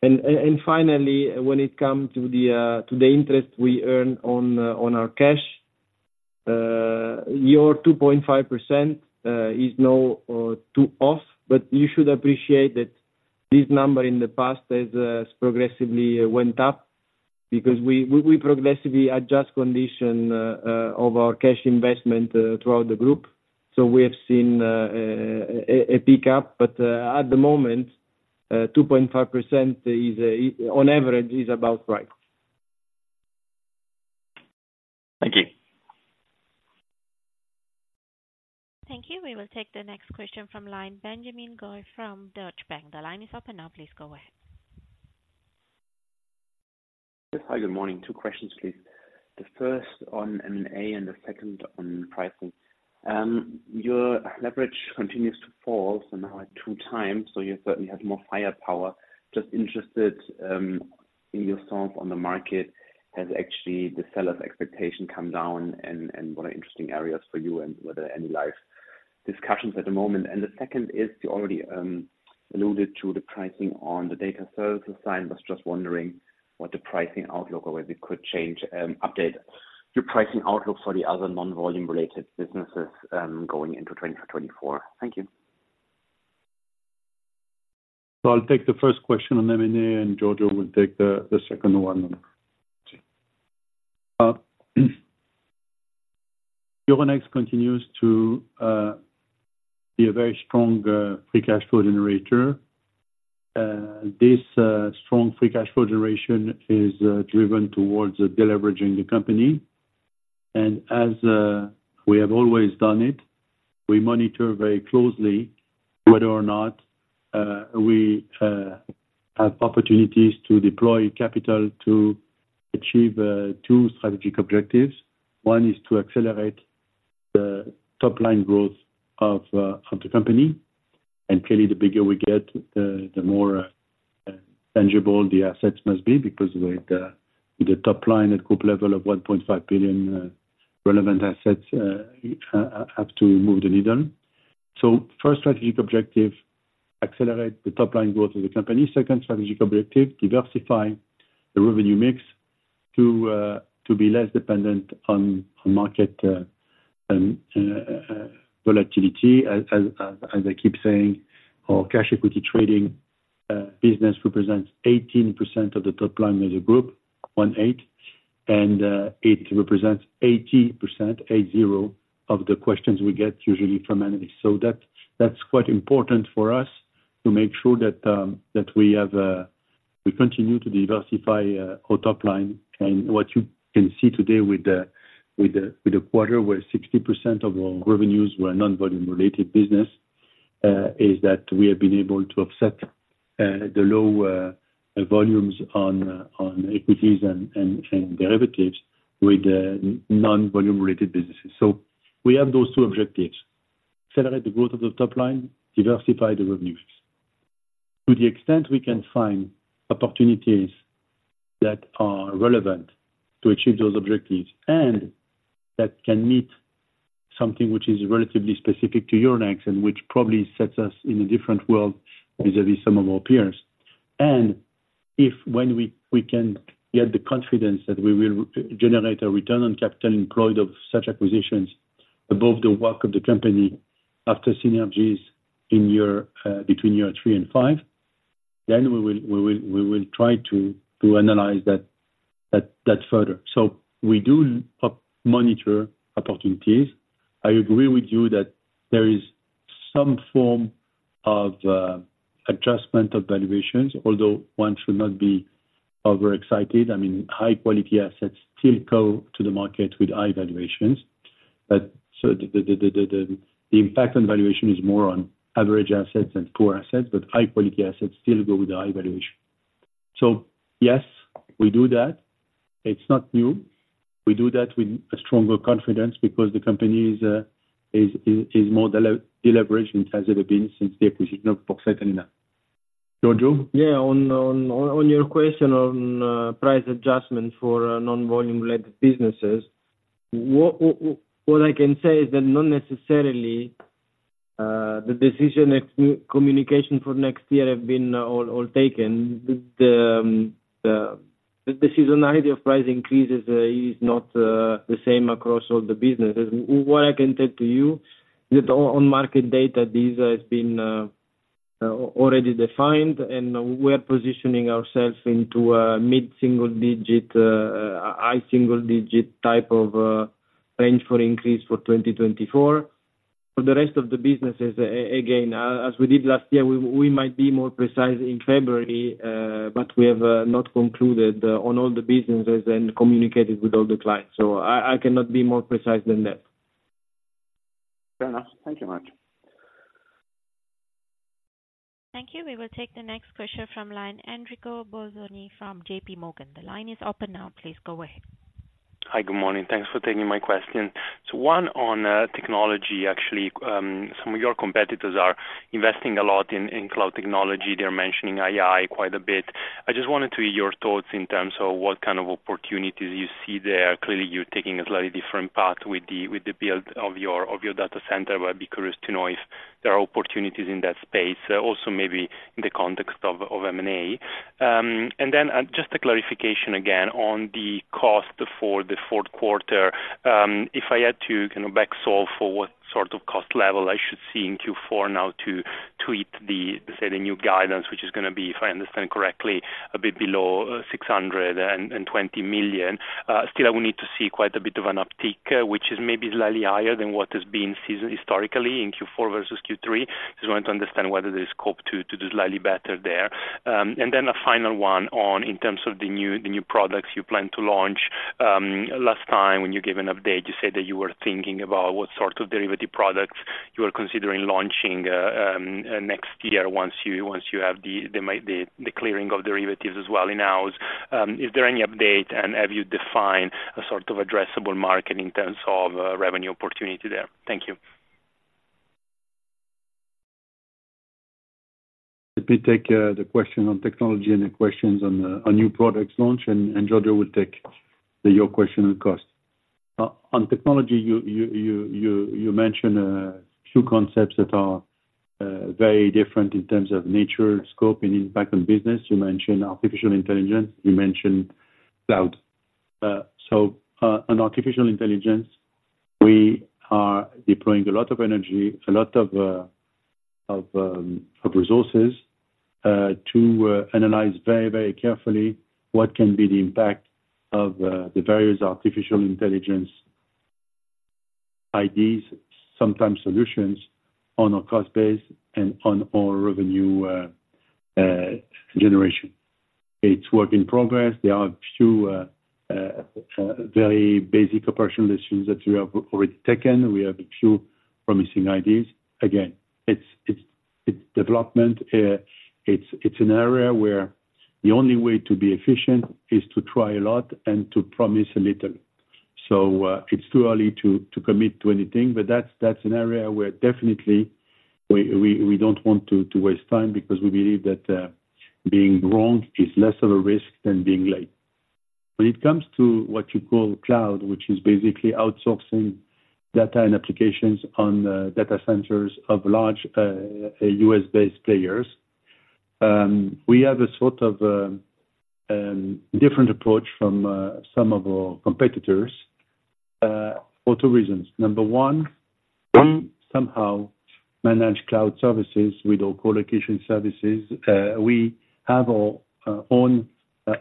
And finally, when it come to the interest we earn on our cash, your 2.5% is not too off, but you should appreciate that this number in the past has progressively went up. Because we progressively adjust condition of our cash investment throughout the group, so we have seen a pickup. At the moment, 2.5% is, on average, about right. Thank you. Thank you. We will take the next question from line, Benjamin Goy from Deutsche Bank. The line is open now, please go ahead. Hi, good morning. Two questions, please. The first on M&A, and the second on pricing. Your leverage continues to fall, so now at 2x, so you certainly have more firepower. Just interested, in your thoughts on the market, has actually the seller's expectation come down? And what are interesting areas for you, and whether any live discussions at the moment? And the second is, you already alluded to the pricing on the data services side. Was just wondering what the pricing outlook, or whether it could change, update your pricing outlook for the other non-volume related businesses, going into 2024. Thank you. So I'll take the first question on M&A, and Giorgio will take the second one. Euronext continues to be a very strong free cash flow generator. This strong free cash flow generation is driven towards deleveraging the company. And as we have always done it, we monitor very closely whether or not we have opportunities to deploy capital to achieve two strategic objectives. One is to accelerate the top-line growth of the company. And clearly, the bigger we get, the more tangible the assets must be, because with the top line at group level of 1.5 billion, relevant assets have to move the needle. So first strategic objective, accelerate the top line growth of the company. Second strategic objective, diversify the revenue mix to be less dependent on market volatility. As I keep saying, our cash equity trading business represents 18% of the top line as a group, 18, and it represents 80% of the questions we get usually from analysts. So that's quite important for us to make sure that we have we continue to diversify our top line. And what you can see today with the quarter, where 60% of our revenues were non-volume related business, is that we have been able to offset the low volumes on equities and derivatives with the non-volume related businesses. So we have those two objectives: accelerate the growth of the top line, diversify the revenues. To the extent we can find opportunities that are relevant to achieve those objectives, and that can meet something which is relatively specific to Euronext, and which probably sets us in a different world vis-a-vis some of our peers. And if, when we can get the confidence that we will generate a return on capital employed of such acquisitions above the WACC of the company after synergies in year, between year three and five, then we will try to analyze that further. So we do monitor opportunities. I agree with you that there is some form of adjustment of valuations, although one should not be overexcited. I mean, high-quality assets still go to the market with high valuations. But so the impact on valuation is more on average assets than poor assets, but high-quality assets still go with the high valuation. So yes, we do that. It's not new. We do that with a stronger confidence because the company is more deleveraged than it has ever been since the acquisition of Borsa Italiana. Giorgio? Yeah, on your question on price adjustment for non-volume related businesses, what I can say is that not necessarily the decisions next communication for next year have been all taken. The seasonality of price increases is not the same across all the businesses. What I can tell you is that on market data, this has been already defined, and we're positioning ourselves into a mid-single digit high single digit type of range for increase for 2024. For the rest of the businesses, again, as we did last year, we might be more precise in February, but we have not concluded on all the businesses and communicated with all the clients. So I cannot be more precise than that. Fair enough. Thank you much. Thank you. We will take the next question from line, Enrico Bolzoni from JP Morgan. The line is open now. Please go ahead. Hi. Good morning. Thanks for taking my question. So one on technology. Actually, some of your competitors are investing a lot in cloud technology. They're mentioning AI quite a bit. I just wanted to hear your thoughts in terms of what kind of opportunities you see there. Clearly, you're taking a slightly different path with the build of your data center, but I'd be curious to know if there are opportunities in that space, also maybe in the context of M&A. And then, just a clarification again on the cost for the Q4. If I had to kind of back solve for what sort of cost level I should see in Q4 now to eat the, say, the new guidance, which is gonna be, if I understand correctly, a bit below 620 million. Still, I will need to see quite a bit of an uptick, which is maybe slightly higher than what has been seen historically in Q4 versus Q3. Just wanted to understand whether there is scope to do slightly better there. And then a final one on, in terms of the new products you plan to launch. Last time when you gave an update, you said that you were thinking about what sort of derivative products you are considering launching next year once you have the clearing of derivatives as well in-house. Is there any update, and have you defined a sort of addressable market in terms of revenue opportunity there? Thank you. Let me take the question on technology and the questions on the new products launch, and Giorgio will take your question on cost. On technology, you mentioned two concepts that are very different in terms of nature, scope, and impact on business. You mentioned artificial intelligence, you mentioned cloud. So, on artificial intelligence, we are deploying a lot of energy, a lot of resources to analyze very, very carefully what can be the impact of the various artificial intelligence AIs, sometimes solutions, on our cost base and on our revenue generation. It's work in progress. There are a few very basic operational issues that we have already taken. We have a few promising AIs. Again, it's development. It's an area where the only way to be efficient is to try a lot and to promise a little. So, it's too early to commit to anything, but that's an area where definitely we don't want to waste time because we believe that being wrong is less of a risk than being late. When it comes to what you call cloud, which is basically outsourcing data and applications on data centers of large U.S. based players, we have a sort of different approach from some of our competitors for two reasons. Number one, somehow manage cloud services with our colocation services. We have our own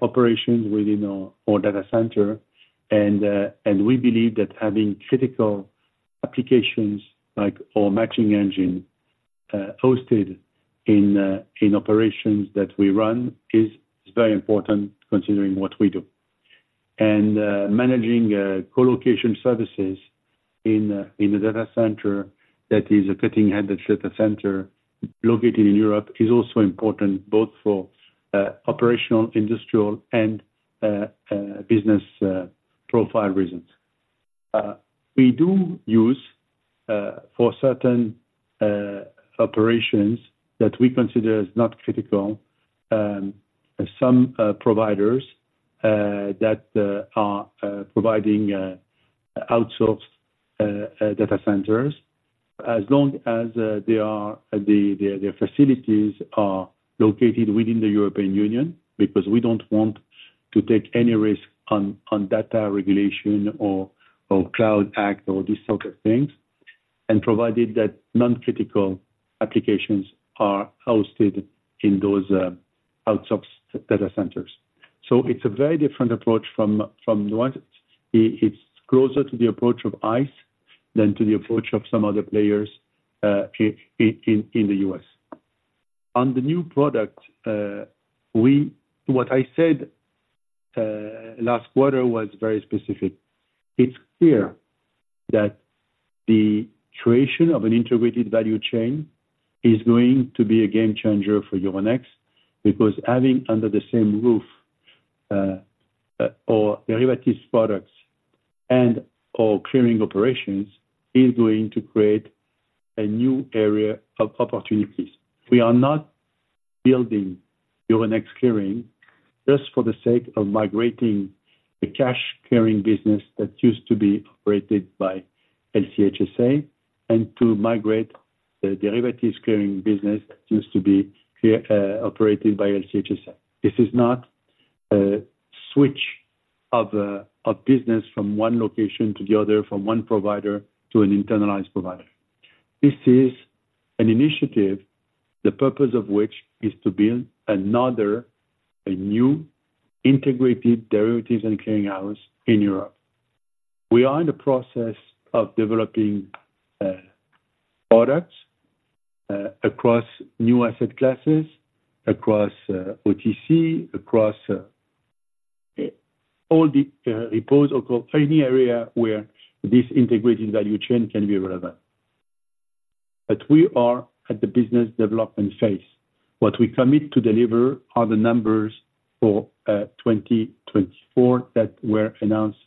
operations within our data center, and we believe that having critical applications, like our matching engine, hosted in operations that we run, is very important considering what we do. And managing colocation services in a data center that is a cutting-edge data center located in Europe, is also important both for operational, industrial, and business profile reasons. We do use, for certain operations that we consider as not critical, some providers that are providing outsourced data centers as long as their facilities are located within the European Union, because we don't want to take any risk on data regulation or CLOUD Act or these sort of things, and provided that non-critical applications are hosted in those outsourced data centers. So it's a very different approach from the ones. It's closer to the approach of ICE than to the approach of some other players in the U.S. On the new product, what I said last quarter was very specific. It's clear that the creation of an integrated value chain is going to be a game changer for Euronext, because having under the same roof our derivatives products and our clearing operations is going to create a new area of opportunities. We are not building Euronext Clearing just for the sake of migrating the cash clearing business that used to be operated by LCH SA and to migrate the derivatives clearing business that used to be cleared operated by LCH SA. This is not a switch of business from one location to the other, from one provider to an internalized provider. This is an initiative, the purpose of which is to build a new integrated derivatives and clearinghouse in Europe. We are in the process of developing products across new asset classes, across OTC, across all the repos, any area where this integrated value chain can be relevant. But we are at the business development phase. What we commit to deliver are the numbers for 2024 that were announced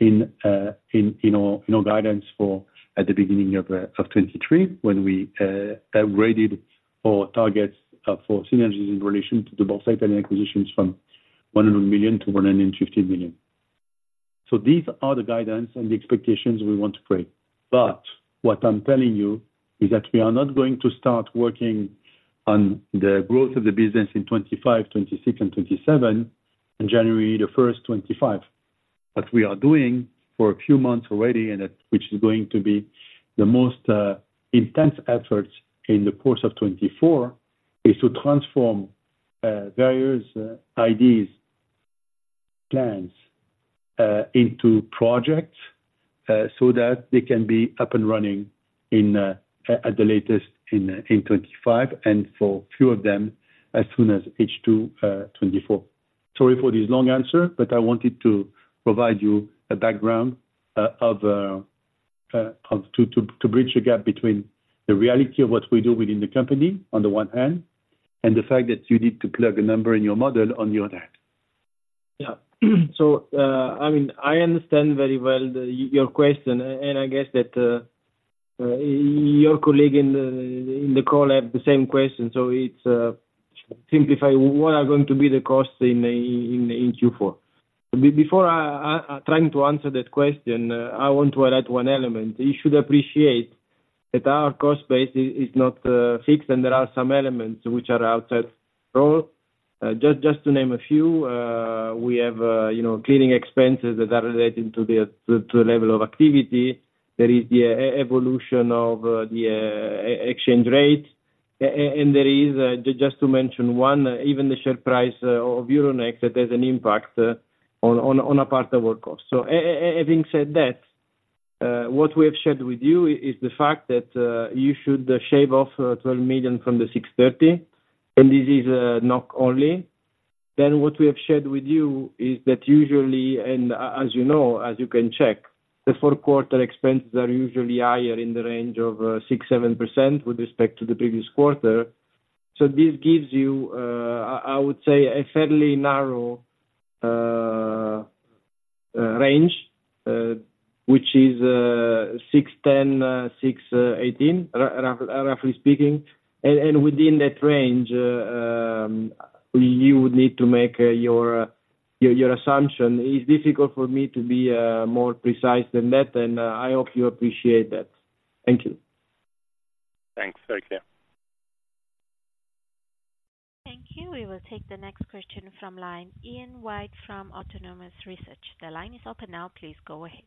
in our guidance for the beginning of 2023, when we upgraded our targets for synergies in relation to both Italian acquisitions from 100 million-150 million. So these are the guidance and the expectations we want to create. But what I'm telling you is that we are not going to start working on the growth of the business in 2025, 2026 and 2027, in January 1, 2025. What we are doing for a few months already, and that which is going to be the most intense efforts in the course of 2024, is to transform various IDs plans into projects so that they can be up and running at the latest in 2025, and for few of them, as soon as H2 2024. Sorry for this long answer, but I wanted to provide you a background to bridge the gap between the reality of what we do within the company on the one hand, and the fact that you need to plug a number in your model on the other hand. Yeah. So, I mean, I understand very well your question, and I guess that your colleague in the call have the same question. So it's simplify what are going to be the costs in Q4. Before I trying to answer that question, I want to add one element. You should appreciate that our cost base is not fixed, and there are some elements which are outside. So, just to name a few, we have, you know, clearing expenses that are related to the level of activity. There is the evolution of the exchange rate. And there is, just to mention one, even the share price of Euronext that has an impact on a part of our cost. So, having said that, what we have shared with you is the fact that you should shave off 12 million from the 630 million, and this is not only. Then what we have shared with you is that usually, and as you know, as you can check, the Q4 expenses are usually higher in the range of 6%-7% with respect to the previous quarter. So this gives you, I would say, a fairly narrow range which is 610-618, roughly speaking. Within that range, you would need to make your assumption. It's difficult for me to be more precise than that, and I hope you appreciate that. Thank you. Thanks, take care. Thank you. We will take the next question from line, Ian White from Autonomous Research. The line is open now, please go ahead.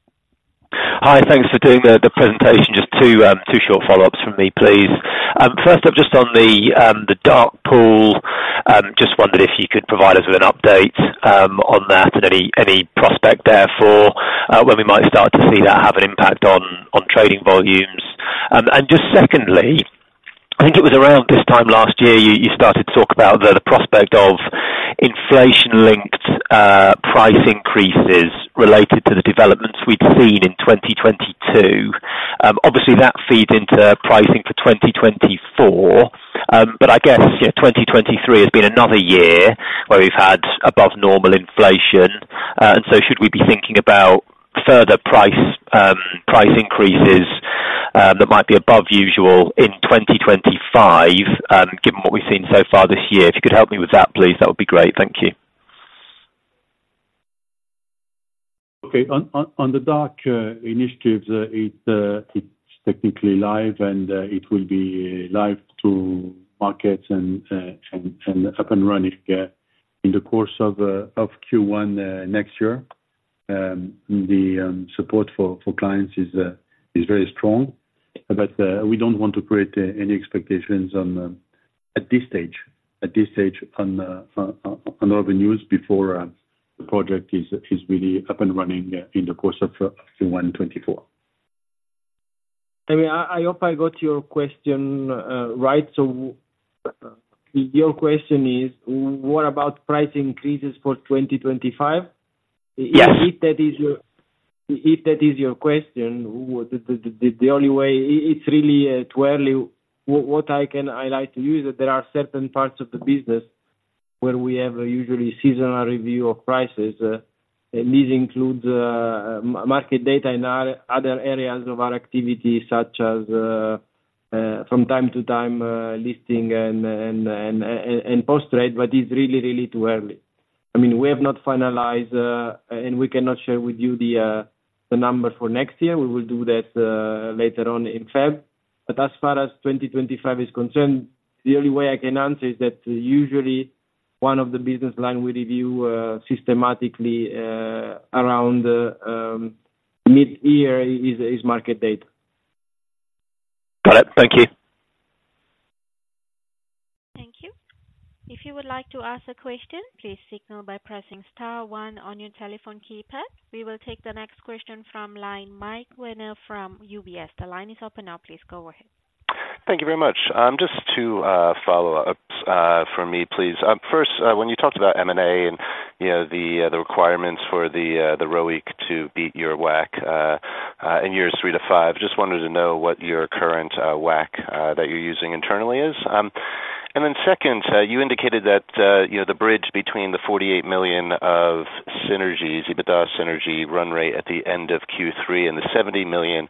Hi, thanks for doing the presentation. Just two short follow-ups from me, please. First up, just on the dark pool, just wondered if you could provide us with an update on that, and any prospect therefore, when we might start to see that have an impact on trading volumes? And just secondly, I think it was around this time last year, you started to talk about the prospect of inflation-linked price increases related to the developments we'd seen in 2022. Obviously, that feeds into pricing for 2024. But I guess, you know, 2023 has been another year where we've had above normal inflation. Should we be thinking about further price increases that might be above usual in 2025, given what we've seen so far this year? If you could help me with that, please, that would be great. Thank you. Okay. On the dark initiatives, it's technically live, and it will be live to markets and up and running in the course of Q1 next year. The support for clients is very strong, but we don't want to create any expectations on at this stage on our news before the project is really up and running in the course of Q1 2024. I mean, I hope I got your question right. So, your question is, what about price increases for 2025? Yes. If that is your question, the only way... it's really too early. What I can highlight to you is that there are certain parts of the business where we have a usually seasonal review of prices, and this includes market data and other areas of our activity, such as from time to time listing and post trade, but it's really, really too early. I mean, we have not finalized and we cannot share with you the number for next year. We will do that later on in February. But as far as 2025 is concerned, the only way I can answer is that usually one of the business line we review systematically around mid-year is market data. Got it. Thank you. Thank you. If you would like to ask a question, please signal by pressing star one on your telephone keypad. We will take the next question from line, Mike Werner from UBS. The line is open now. Please go ahead. Thank you very much. Just two follow-ups for me, please. First, when you talked about M&A and, you know, the requirements for the ROIC to beat your WACC in years three to five, just wanted to know what your current WACC that you're using internally is. And then second, you indicated that, you know, the bridge between the 48 million of synergies, EBITDA synergy run rate at the end of Q3 and the 70 million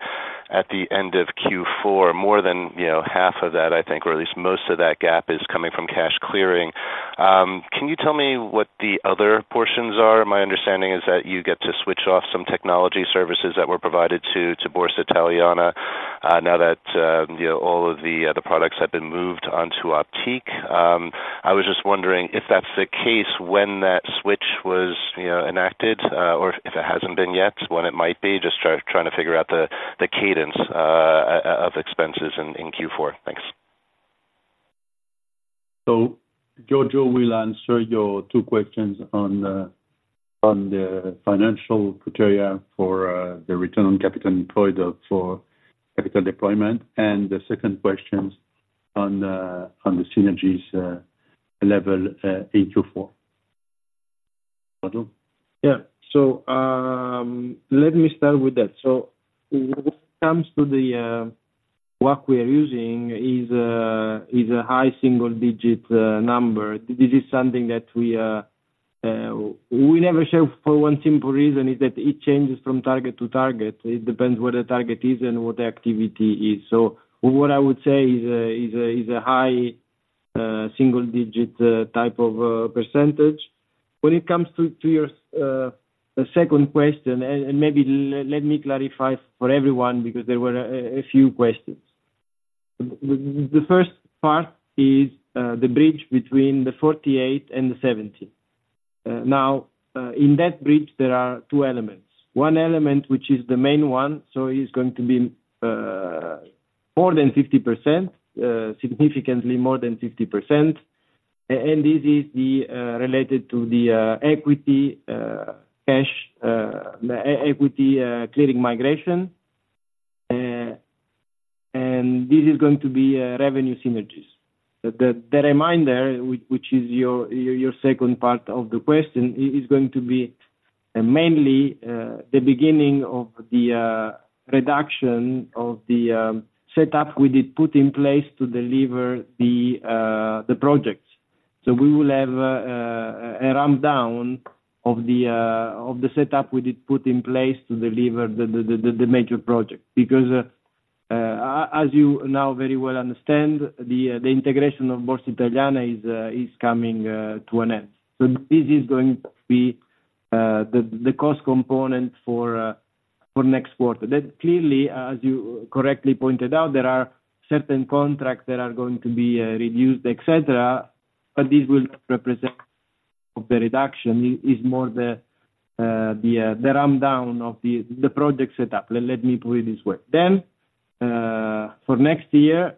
at the end of Q4, more than, you know, half of that, I think, or at least most of that gap is coming from cash clearing. Can you tell me what the other portions are? My understanding is that you get to switch off some technology services that were provided to Borsa Italiana, now that you know all of the products have been moved onto Optiq. I was just wondering if that's the case, when that switch was you know enacted, or if it hasn't been yet, when it might be? Just trying to figure out the cadence of expenses in Q4. Thanks. So Giorgio will answer your two questions on the, on the financial criteria for, the return on capital employed for capital deployment. And the second questions on the, on the synergies, level, in Q4. Giorgio? Yeah. So, let me start with that. So when it comes to the, WACC we are using is a, is a high single digit, number. This is something that we, we never show for one simple reason, is that it changes from target to target. It depends what the target is and what the activity is. So what I would say is a, is a, is a high, single digit, type of, percentage. When it comes to, to your, second question, and, and maybe let me clarify for everyone, because there were a, a, a few questions. The first part is, the bridge between the 48 and the 70. Now, in that bridge, there are two elements. One element, which is the main one, so is going to be more than 50%, significantly more than 50%, and this is related to the equity cash equity clearing migration, and this is going to be revenue synergies. The remainder, which is your second part of the question, is going to be mainly the beginning of the reduction of the setup we did put in place to deliver the projects. So we will have a ramp down of the setup we did put in place to deliver the major project. Because, as you now very well understand, the integration of Borsa Italiana is coming to an end. So this is going to be the cost component for next quarter. Then clearly, as you correctly pointed out, there are certain contracts that are going to be reduced, et cetera, but this will represent the reduction, is more the ramp down of the project setup. Let me put it this way. Then, for next year,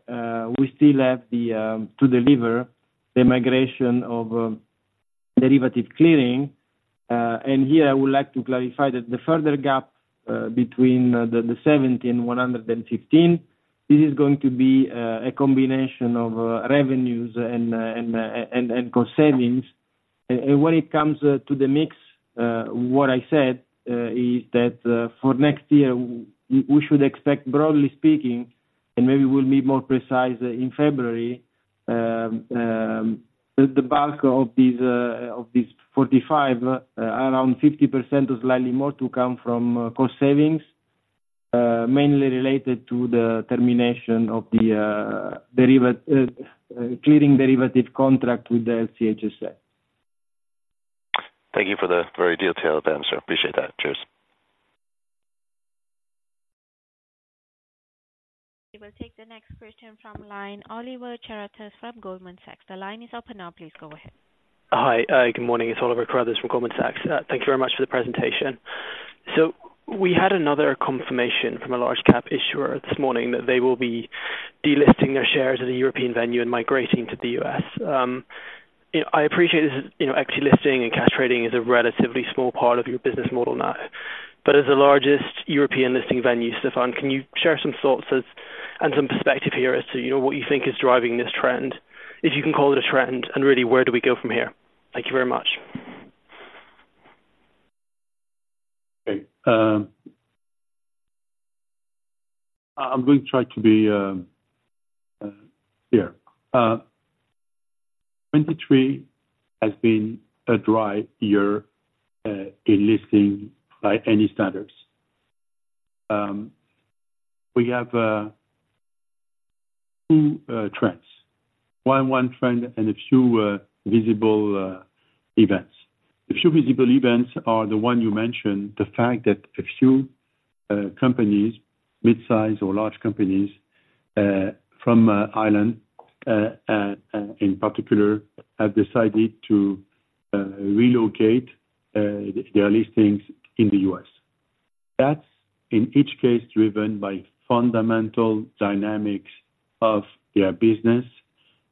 we still have to deliver the migration of derivative clearing. And here, I would like to clarify that the further gap between the 70 and 115, this is going to be a combination of revenues and cost savings. And when it comes to the mix, what I said is that, for next year, we should expect, broadly speaking, and maybe we'll be more precise in February, the bulk of these 45, around 50% or slightly more to come from cost savings, mainly related to the termination of the derivatives clearing contract with the LCH SA. Thank you for the very detailed answer. Appreciate that. Cheers. We will take the next question from line, Oliver Carruthers from Goldman Sachs. The line is open now, please go ahead. Hi, good morning. It's Oliver Carruthers from Goldman Sachs. Thank you very much for the presentation. So we had another confirmation from a large cap issuer this morning, that they will be delisting their shares at a European venue and migrating to the US. You know, I appreciate this is, you know, actually, listing and cash trading is a relatively small part of your business model now, but as the largest European listing venue, Stéphane, can you share some thoughts as, and some perspective here as to, you know, what you think is driving this trend, if you can call it a trend, and really, where do we go from here? Thank you very much. Okay. I'm going to try to be here. 2023 has been a dry year in listing by any standards. We have two trends. One trend and a few visible events. The few visible events are the one you mentioned, the fact that a few companies, mid-size or large companies, from Ireland, in particular, have decided to relocate their listings in the U.S. That's in each case driven by fundamental dynamics of their business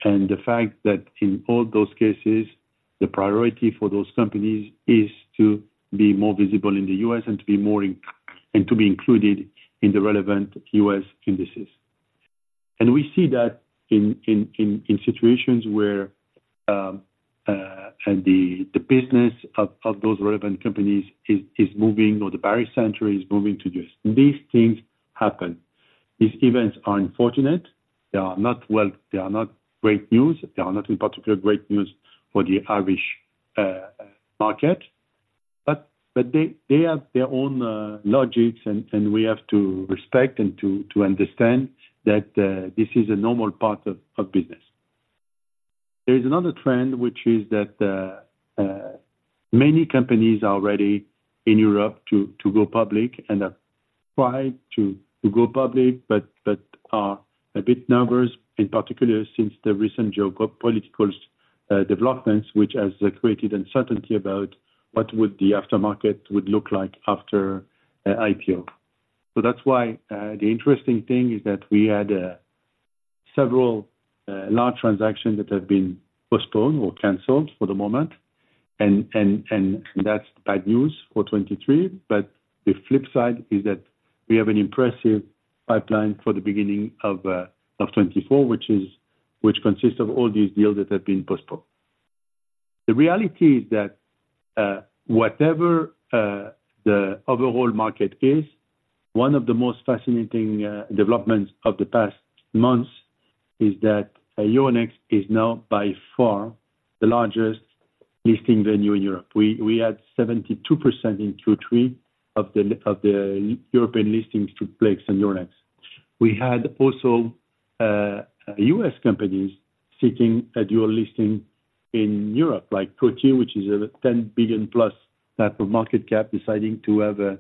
and the fact that in all those cases, the priority for those companies is to be more visible in the U.S. and to be more inc-- and to be included in the relevant U.S. indices. We see that in situations where the business of those relevant companies is moving or the buyer center is moving to this. These things happen. These events are unfortunate. They are not great news. They are not, in particular, great news for the Irish market, but they have their own logics, and we have to respect and to understand that this is a normal part of business. There is another trend, which is that many companies are ready in Europe to go public and have tried to go public, but are a bit nervous, in particular, since the recent geopolitical developments, which has created uncertainty about what would the after market would look like after IPO. So that's why, the interesting thing is that we had several large transactions that have been postponed or canceled for the moment, and that's bad news for 2023. But the flip side is that we have an impressive pipeline for the beginning of 2024, which consists of all these deals that have been postponed. The reality is that, whatever the overall market is, one of the most fascinating developments of the past months is that Euronext is now by far the largest listing venue in Europe. We had 72% in Q3 of the European listings took place on Euronext. We had also U.S. companies seeking a dual listing in Europe, like Protein, which is a $10 billion+ type of market cap, deciding to have a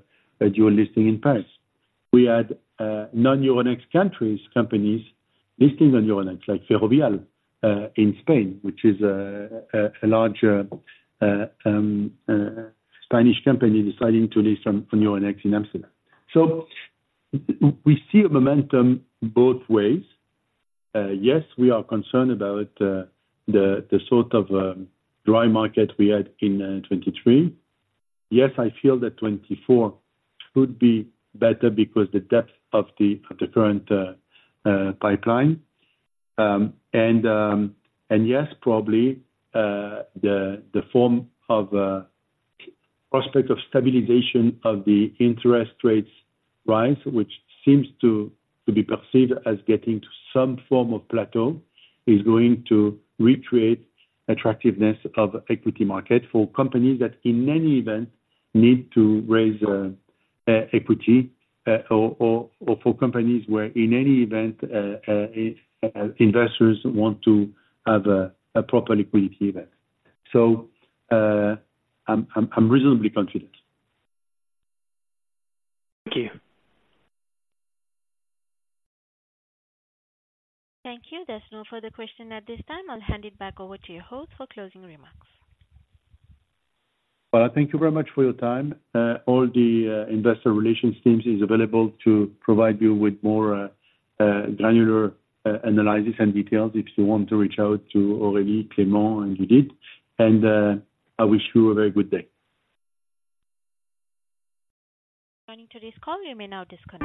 dual listing in Paris. We had non-Euronext countries, companies listing on Euronext, like Ferrovial in Spain, which is a larger Spanish company deciding to list on Euronext in Amsterdam. So we see a momentum both ways. Yes, we are concerned about the sort of dry market we had in 2023. Yes, I feel that 2024 could be better because the depth of the current pipeline. And yes, probably the form of prospect of stabilization of the interest rates rise, which seems to be perceived as getting to some form of plateau, is going to recreate attractiveness of equity market for companies that, in any event, need to raise equity or for companies where, in any event, investors want to have a proper liquidity event. So, I'm reasonably confident. Thank you. Thank you. There's no further question at this time. I'll hand it back over to the host for closing remarks. Well, thank you very much for your time. All the investor relations teams is available to provide you with more granular analysis and details if you want to reach out to Aurélie, Clement, and Judith, and I wish you a very good day. Joining today's call, you may now disconnect.